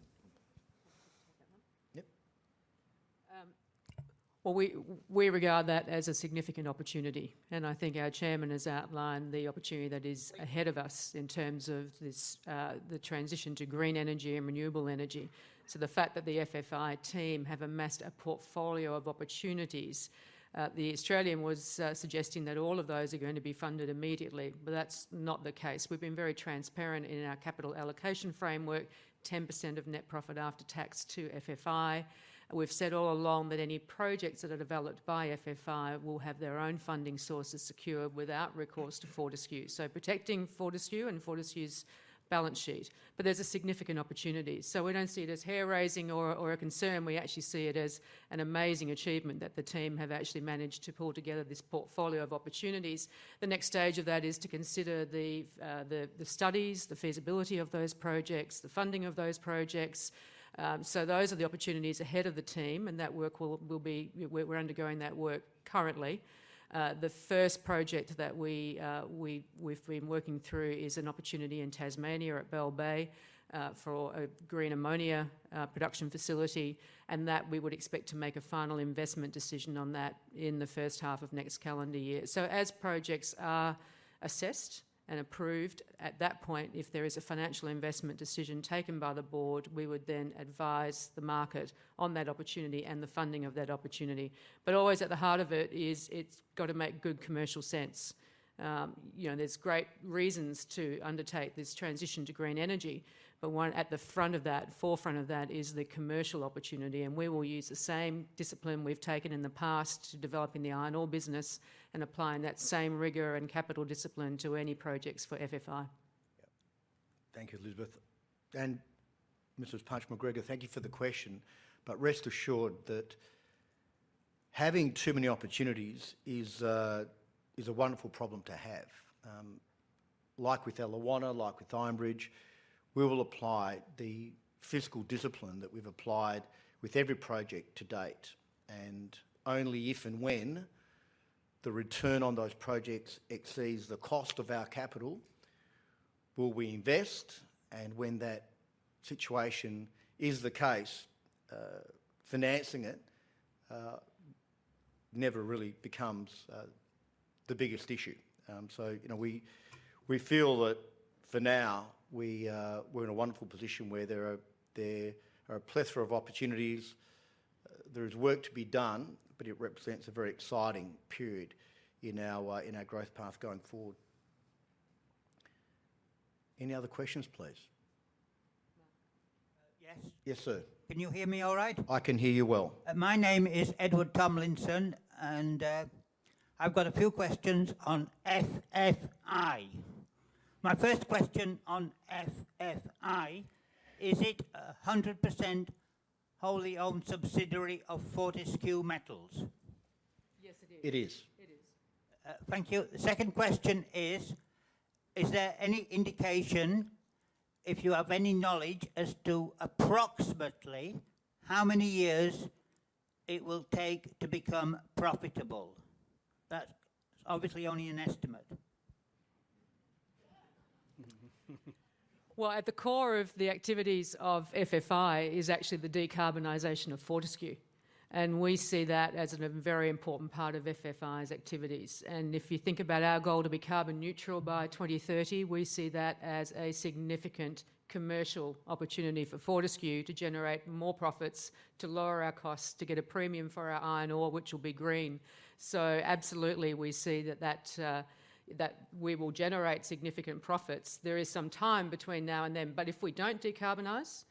Speaker 2: Take that one.
Speaker 4: Yep.
Speaker 2: Well, we regard that as a significant opportunity, and I think our chairman has outlined the opportunity that is ahead of us in terms of this, the transition to green energy and renewable energy. The fact that the FFI team have amassed a portfolio of opportunities, The Australian was suggesting that all of those are going to be funded immediately, but that's not the case. We've been very transparent in our capital allocation framework, 10% of net profit after tax to FFI. We've said all along that any projects that are developed by FFI will have their own funding sources secured without recourse to Fortescue. Protecting Fortescue and Fortescue's balance sheet. There's a significant opportunity. We don't see it as hair-raising or a concern. We actually see it as an amazing achievement that the team have actually managed to pull together this portfolio of opportunities. The next stage of that is to consider the studies, the feasibility of those projects, the funding of those projects. Those are the opportunities ahead of the team, and we're undergoing that work currently. The first project that we've been working through is an opportunity in Tasmania at Bell Bay for a green ammonia production facility, and that we would expect to make a final investment decision on that in the first half of next calendar year. As projects are assessed and approved, at that point, if there is a financial investment decision taken by the board, we would then advise the market on that opportunity and the funding of that opportunity. Always at the heart of it is it's got to make good commercial sense. You know, there's great reasons to undertake this transition to green energy, but one at the front of that, forefront of that is the commercial opportunity, and we will use the same discipline we've taken in the past to developing the iron ore business and applying that same rigor and capital discipline to any projects for FFI.
Speaker 4: Yeah. Thank you, Elizabeth. Mrs. Punch McGregor, thank you for the question. But rest assured that having too many opportunities is a wonderful problem to have. Like with Eliwana, like with Iron Bridge, we will apply the fiscal discipline that we've applied with every project to date. Only if and when the return on those projects exceeds the cost of our capital will we invest, and when that situation is the case, financing it never really becomes the biggest issue. So, you know, we feel that for now, we're in a wonderful position where there are a plethora of opportunities. There is work to be done, but it represents a very exciting period in our growth path going forward. Any other questions, please?
Speaker 14: Yes.
Speaker 4: Yes, sir.
Speaker 14: Can you hear me all right?
Speaker 4: I can hear you well.
Speaker 14: My name is Edward Tomlinson, and I've got a few questions on FFI. My first question on FFI, is it 100% wholly owned subsidiary of Fortescue Metals?
Speaker 2: Yes, it is.
Speaker 4: It is.
Speaker 2: It is.
Speaker 14: Thank you. The second question is there any indication, if you have any knowledge as to approximately how many years it will take to become profitable? That's obviously only an estimate.
Speaker 2: Well, at the core of the activities of FFI is actually the decarbonization of Fortescue, and we see that as a very important part of FFI's activities. If you think about our goal to be carbon neutral by 2030, we see that as a significant commercial opportunity for Fortescue to generate more profits, to lower our costs, to get a premium for our iron ore, which will be green. Absolutely, we see that we will generate significant profits. There is some time between now and then. If we don't decarbonize,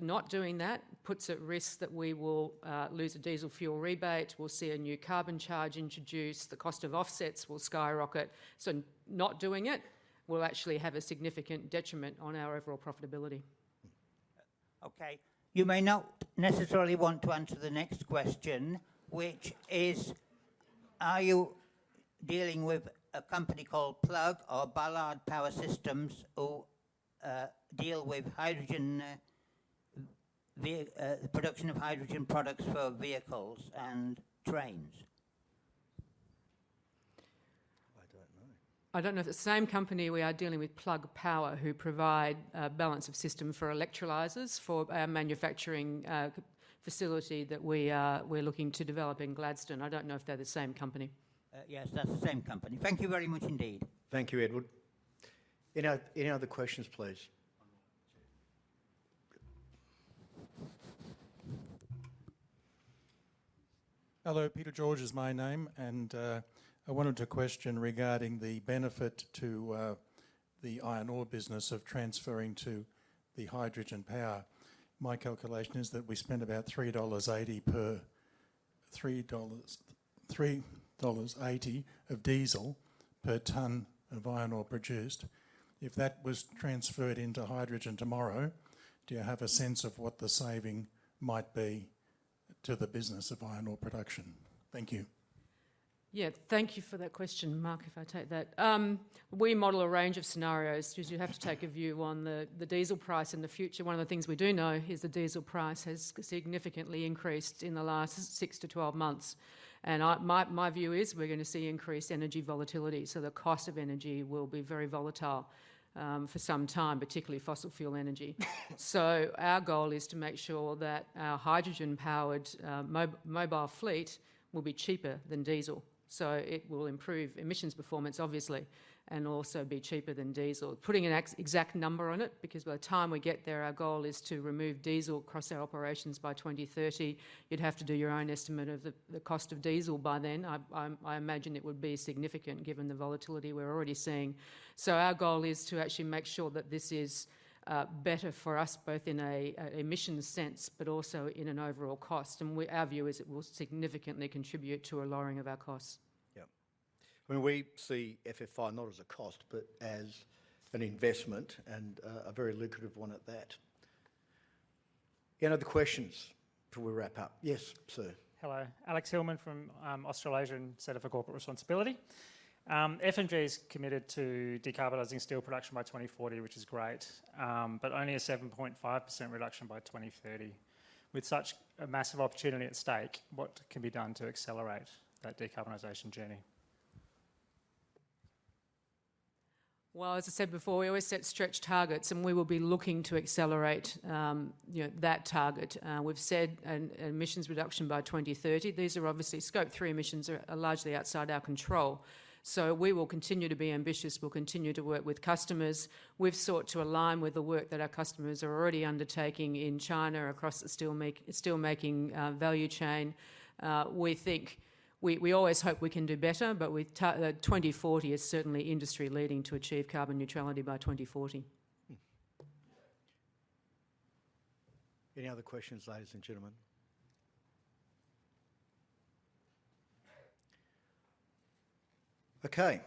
Speaker 2: not doing that puts at risk that we will lose a diesel fuel rebate. We'll see a new carbon charge introduced. The cost of offsets will skyrocket. Not doing it will actually have a significant detriment on our overall profitability.
Speaker 14: Okay. You may not necessarily want to answer the next question, which is, are you dealing with a company called Plug or Ballard Power Systems who deal with hydrogen, the production of hydrogen products for vehicles and trains?
Speaker 4: I don't know.
Speaker 2: I don't know if it's the same company we are dealing with, Plug Power, who provide a balance of system for electrolyzers for our manufacturing facility that we're looking to develop in Gladstone. I don't know if they're the same company.
Speaker 14: Yes, that's the same company. Thank you very much indeed.
Speaker 4: Thank you, Edward. Any other questions, please?
Speaker 15: One more.
Speaker 4: Sure.
Speaker 15: Hello. Peter George is my name, and I wanted to question regarding the benefit to the iron ore business of transferring to the hydrogen power. My calculation is that we spend about 3.80 dollars of diesel per ton of iron ore produced. If that was transferred into hydrogen tomorrow, do you have a sense of what the saving might be to the business of iron ore production? Thank you.
Speaker 2: Yeah, thank you for that question, Mark, if I take that. We model a range of scenarios, because you have to take a view on the diesel price in the future. One of the things we do know is the diesel price has significantly increased in the last six to 12 months. My view is we're gonna see increased energy volatility, so the cost of energy will be very volatile for some time, particularly fossil fuel energy. Our goal is to make sure that our hydrogen-powered mobile fleet will be cheaper than diesel. It will improve emissions performance obviously, and also be cheaper than diesel. Putting an exact number on it, because by the time we get there, our goal is to remove diesel across our operations by 2030, you'd have to do your own estimate of the cost of diesel by then. I imagine it would be significant given the volatility we're already seeing. Our goal is to actually make sure that this is better for us both in a emissions sense, but also in an overall cost. Our view is it will significantly contribute to a lowering of our costs.
Speaker 4: Yeah. I mean, we see FFI not as a cost, but as an investment, and, a very lucrative one at that. Any other questions before we wrap up? Yes, sir.
Speaker 16: Hello. Alex Hillman from Australasian Centre for Corporate Responsibility. FMG is committed to decarbonizing steel production by 2040, which is great, but only a 7.5% reduction by 2030. With such a massive opportunity at stake, what can be done to accelerate that decarbonization journey?
Speaker 2: Well, as I said before, we always set stretch targets, and we will be looking to accelerate, you know, that target. We've said an emissions reduction by 2030. These are obviously Scope 3 emissions largely outside our control. We will continue to be ambitious. We'll continue to work with customers. We've sought to align with the work that our customers are already undertaking in China across the steelmaking value chain. We think we always hope we can do better, but 2040 is certainly industry-leading to achieve carbon neutrality by 2040.
Speaker 4: Any other questions, ladies and gentlemen? Okay.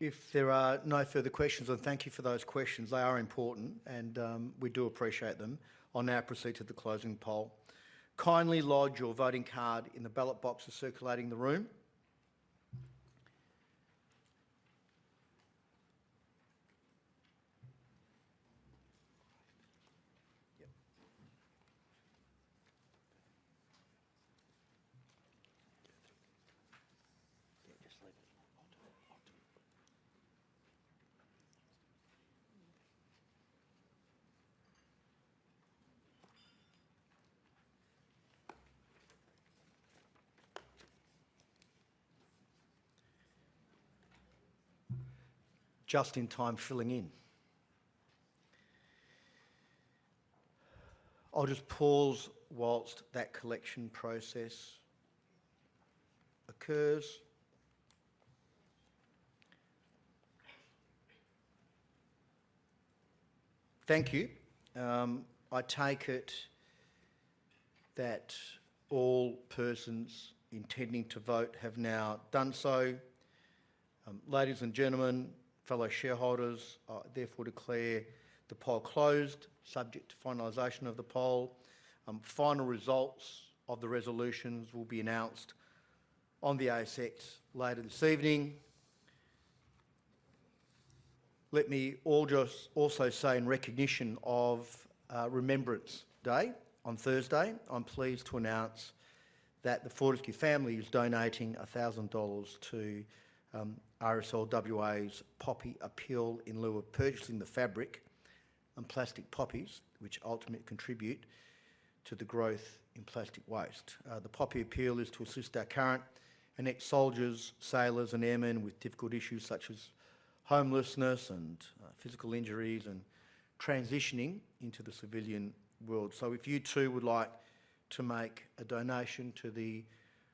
Speaker 4: If there are no further questions, and thank you for those questions, they are important and, we do appreciate them. I'll now proceed to the closing poll. Kindly lodge your voting card in the ballot box that's circulating the room. Yep. Just leave it. I'll do it. Just in time filling in. I'll just pause while that collection process occurs. Thank you. I take it that all persons intending to vote have now done so. Ladies and gentlemen, fellow shareholders, I therefore declare the poll closed, subject to finalization of the poll. Final results of the resolutions will be announced on the ASX later this evening. Let me also say in recognition of Remembrance Day on Thursday, I'm pleased to announce that the Fortescue family is donating 1,000 dollars to RSLWA's Poppy Appeal in lieu of purchasing the fabric and plastic poppies, which ultimately contribute to the growth in plastic waste. The Poppy Appeal is to assist our current and ex-soldiers, sailors and airmen with difficult issues such as homelessness and physical injuries and transitioning into the civilian world. If you too would like to make a donation to the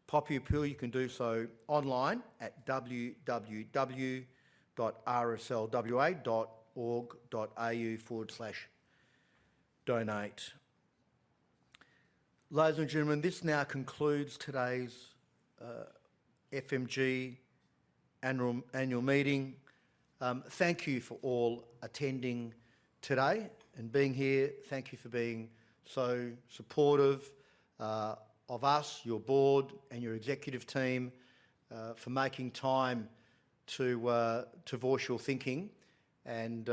Speaker 4: Poppy Appeal, you can do so online at www.rslwa.org.au/donate. Ladies and gentlemen, this now concludes today's FMG annual meeting. Thank you for all attending today and being here. Thank you for being so supportive of us, your board and your executive team, for making time to voice your thinking and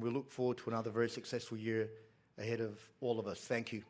Speaker 4: we look forward to another very successful year ahead of all of us. Thank you.